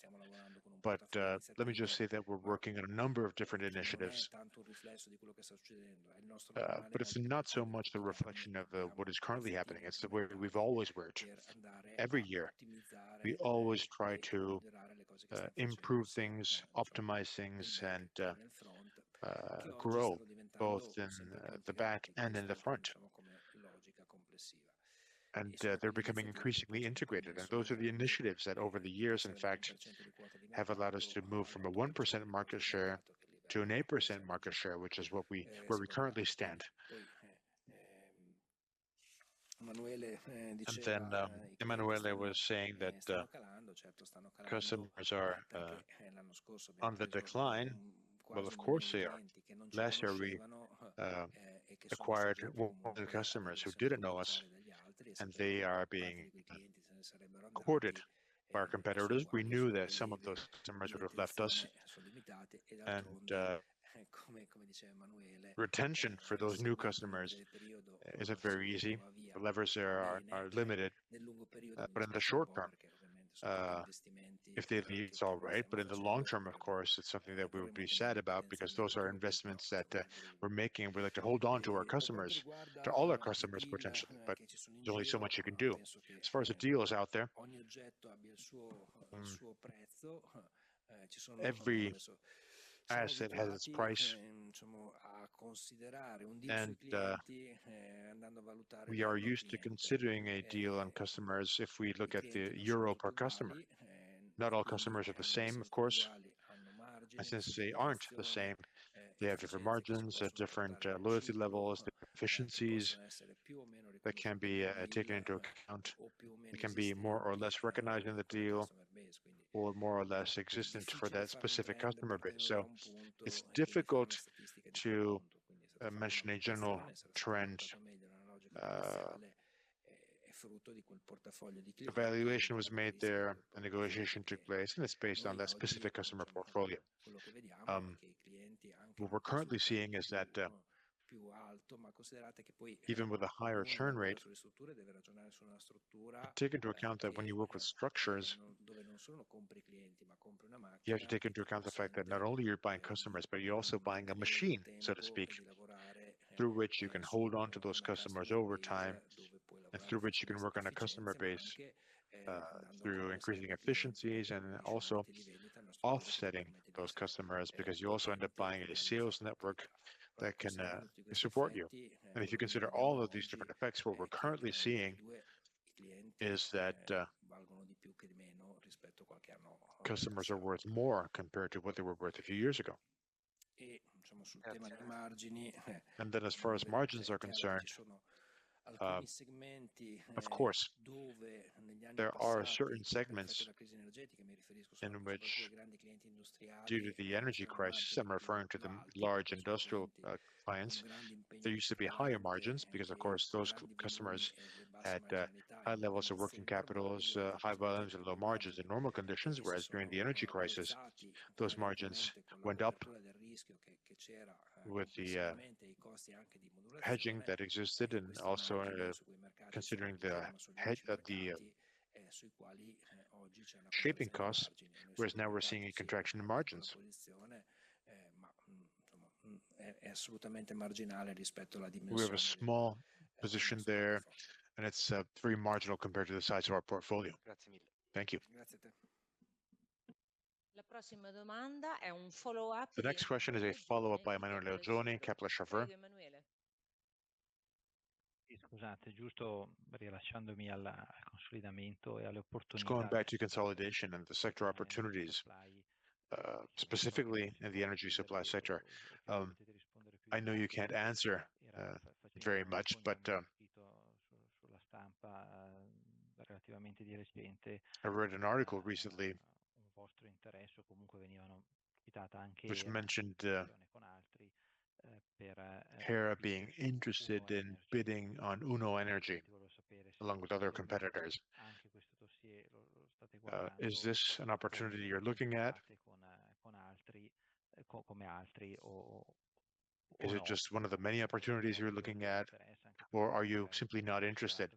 but let me just say that we're working on a number of different initiatives, but it's not so much the reflection of what is currently happening, it's the way we've always worked every year. We always try to improve things, optimize things, and grow both in the back and in the front. They're becoming increasingly integrated. Those are the initiatives that over the years in fact have allowed us to move from a 1% market share to an 8% market share, which is where we currently stand. Emanuele was saying that customers are on the decline. Of course they are. Last year we acquired new customers who didn't know us and they are being courted by our competitors. We knew that some of those customers would have left us. Retention for those new customers, is it very easy? The levers there are limited, but in the short term, if they leave, it's all right. In the long term, of course it's something that we would be sad about because those are investments that we're making. We like to hold on to our customers, to all our customers potentially. There's only so much you can do as far as the deal is out there. Every asset has its price and we are used to considering a deal on customers. If we look at the euro per customer, not all customers are the same. Of course, since they aren't the same, they have different margins at different loyalty levels, efficiencies that can be taken into account. It can be more or less recognized in the deal, or more or less existent for that specific customer base. It's difficult to mention a general trend. Evaluation was made there, a negotiation took place, and it's based on that specific customer portfolio. What we're currently seeing is that even with a higher churn rate, take into account that when you work with structures, you have to take into account the fact that not only you're buying customers, but you're also buying a machine, so to speak, through which you can hold on to those customers over time and through which you can work on a customer base through increasing efficiencies and also offsetting those customers, because you also end up buying a sales network that can support you. If you consider all of these different effects, what we're currently seeing is that customers are worth more compared to what they were worth a few years ago. As far as margins are concerned, of course there are certain segments in which, due to the energy crisis, I'm referring to the large industrial clients, there used to be higher margins because those customers had high levels of working capital, high volumes, and low margins in normal conditions. Whereas during the energy crisis, those margins went up with the hedging that existed and also considering the head of the shaping costs. Whereas now we're seeing a contraction in margins. We have a small position there and it's very marginal compared to the size of our portfolio. Thank you. The next question is a follow-up by Manuel Leo Johni, Kepler Cheuvreux. Going back to consolidation and the sector opportunities, specifically in the energy supply sector. I know you can't answer very much, but I read an article recently that just mentioned Hera being interested in bidding on Unoenergy along with other competitors. Is this an opportunity you're looking at? Is it just one of the many opportunities you're looking at? Are you simply not interested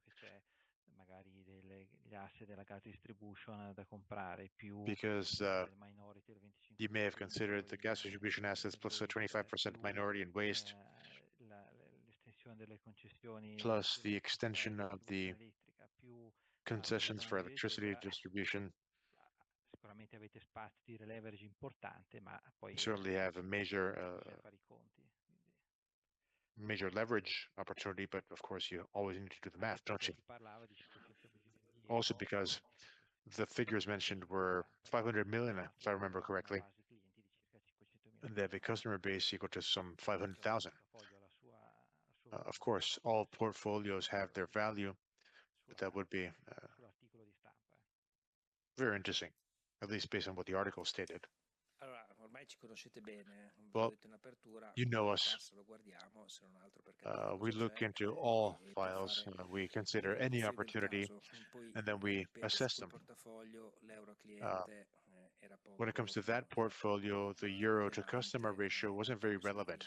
because you may have considered the gas distribution assets plus a 25% minority in waste, plus the extension of the concessions for electricity distribution, certainly have a major, major leverage opportunity? Of course, you always need to do the math, don't you? Also, because the figures mentioned were 500 million, if I remember correctly, that the customer base equal to some 500,000. Of course, all portfolios have their value. That would be very interesting, at least based on what the article stated. You know us, we look into all files, we consider any opportunity and then we assess them. When it comes to that portfolio, the euro to customer ratio wasn't very relevant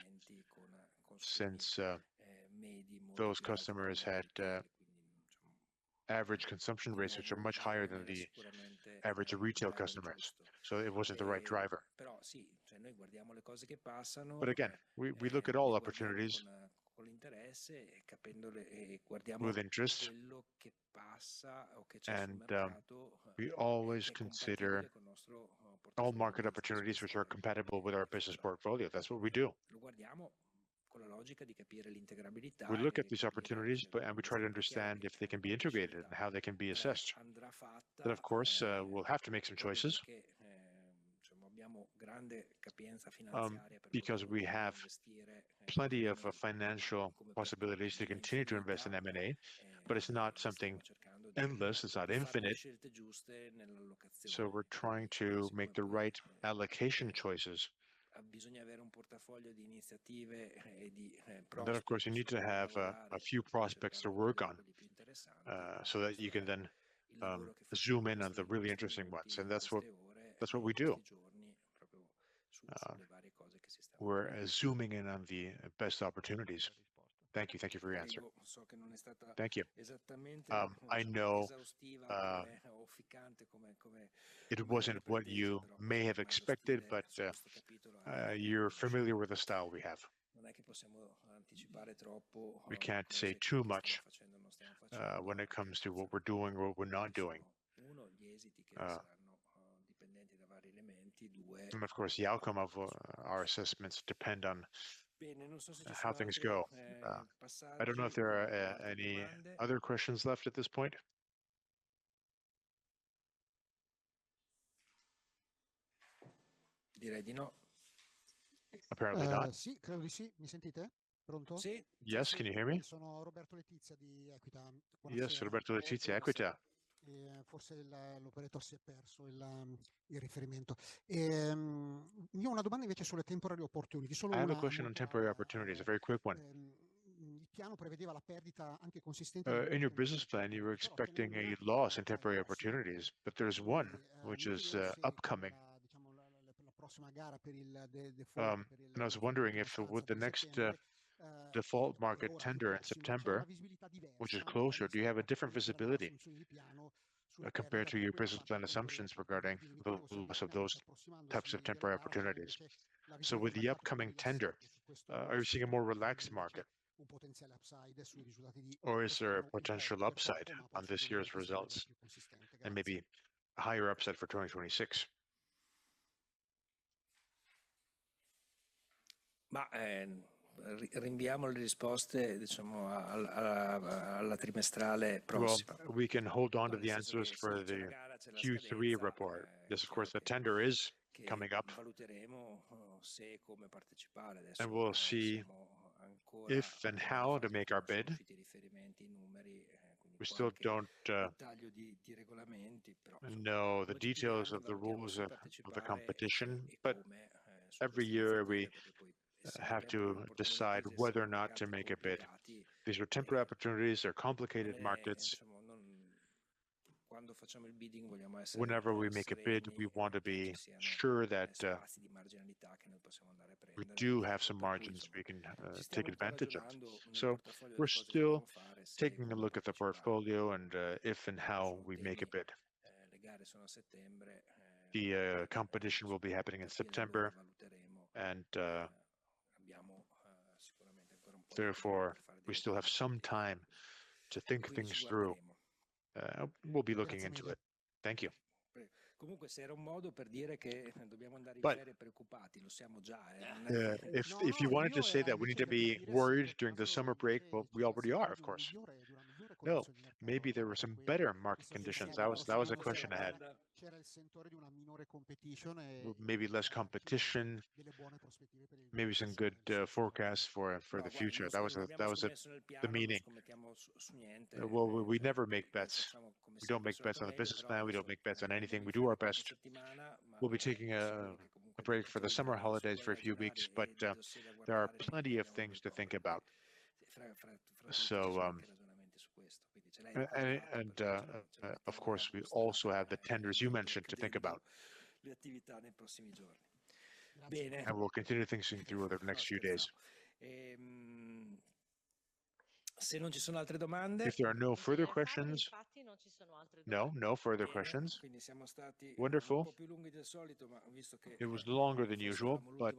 since those customers had average consumption rates, which are much higher than the average retail customers. It wasn't the right driver. Again, we look at all opportunities with interest and we always consider all market opportunities which are compatible with our business portfolio. That's what we do. We look at these opportunities and we try to understand if they can be integrated and how they can be assessed. Of course, we'll have to make some choices because we have plenty of financial possibilities to continue to invest in M&A. It's not something endless, it's not infinite. We're trying to make the right allocation choices. Of course, you need to have a few prospects to work on so that you can then zoom in on the really interesting ones. That's what we do. We're zooming in on the best opportunities. Thank you. Thank you for your answer. Thank you. I know it wasn't what you may have expected, but you're familiar with the style we have. We can't say too much when it comes to what we're doing or what we're not doing. Of course, the outcome of our assessments depend on how things go. I don't know if there are any other questions left at this point. Apparently not. Yes. Can you hear me? I have a question on temporary opportunities, a very quick one. In your business plan, you were expecting a loss in temporary opportunities, but there's one which is upcoming and I was wondering if with the next default market tender in September, which is closer, do you have a different visibility compared to your business plan assumptions regarding those types of temporary opportunities? With the upcoming tender, are you seeing a more relaxed market or is there a potential upside on this year's results and maybe higher upset for 2026? We can hold on to the answers for the Q3 report. Yes, of course, the tender is coming up and we'll see if and how to make our bid. We still don't know the details of the rules of the competition, but every year we have to decide whether or not to make a bid. These are temporary opportunities. They're complicated markets. Whenever we make a bid, we want to be sure that we do have some margins we can take advantage of. We're still taking a look at the portfolio and if and how we make a bid. The competition will be happening in September and therefore we still have some time to think things through. We'll be looking into it. Thank you. If you wanted to say that we need to be worried during the summer break, we already are. Of course. Maybe there were some better market conditions. That was a question ahead. Maybe less competition, maybe some good forecasts for the future. That was the meaning. We never make bets. We don't make bets on the business plan. We don't make bets on anything. We do our best. We'll be taking a break for the summer holidays for a few weeks, but there are plenty of things to think about. Of course, we also have the tenders you mentioned to think about and we'll continue thinking through over the next few days if there are no further questions. No, no further questions. Wonderful. It was longer than usual, but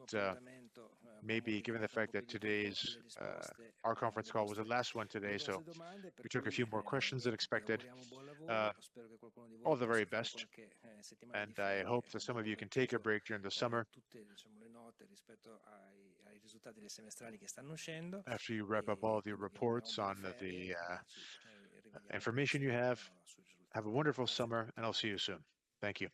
maybe given the fact that today's conference call was the last one today, we took a few more questions than expected. All the very best. I hope that some of you can take a break during the summer after you wrap up all the reports on the information you have. Have a wonderful summer and I'll see you soon. Thank you.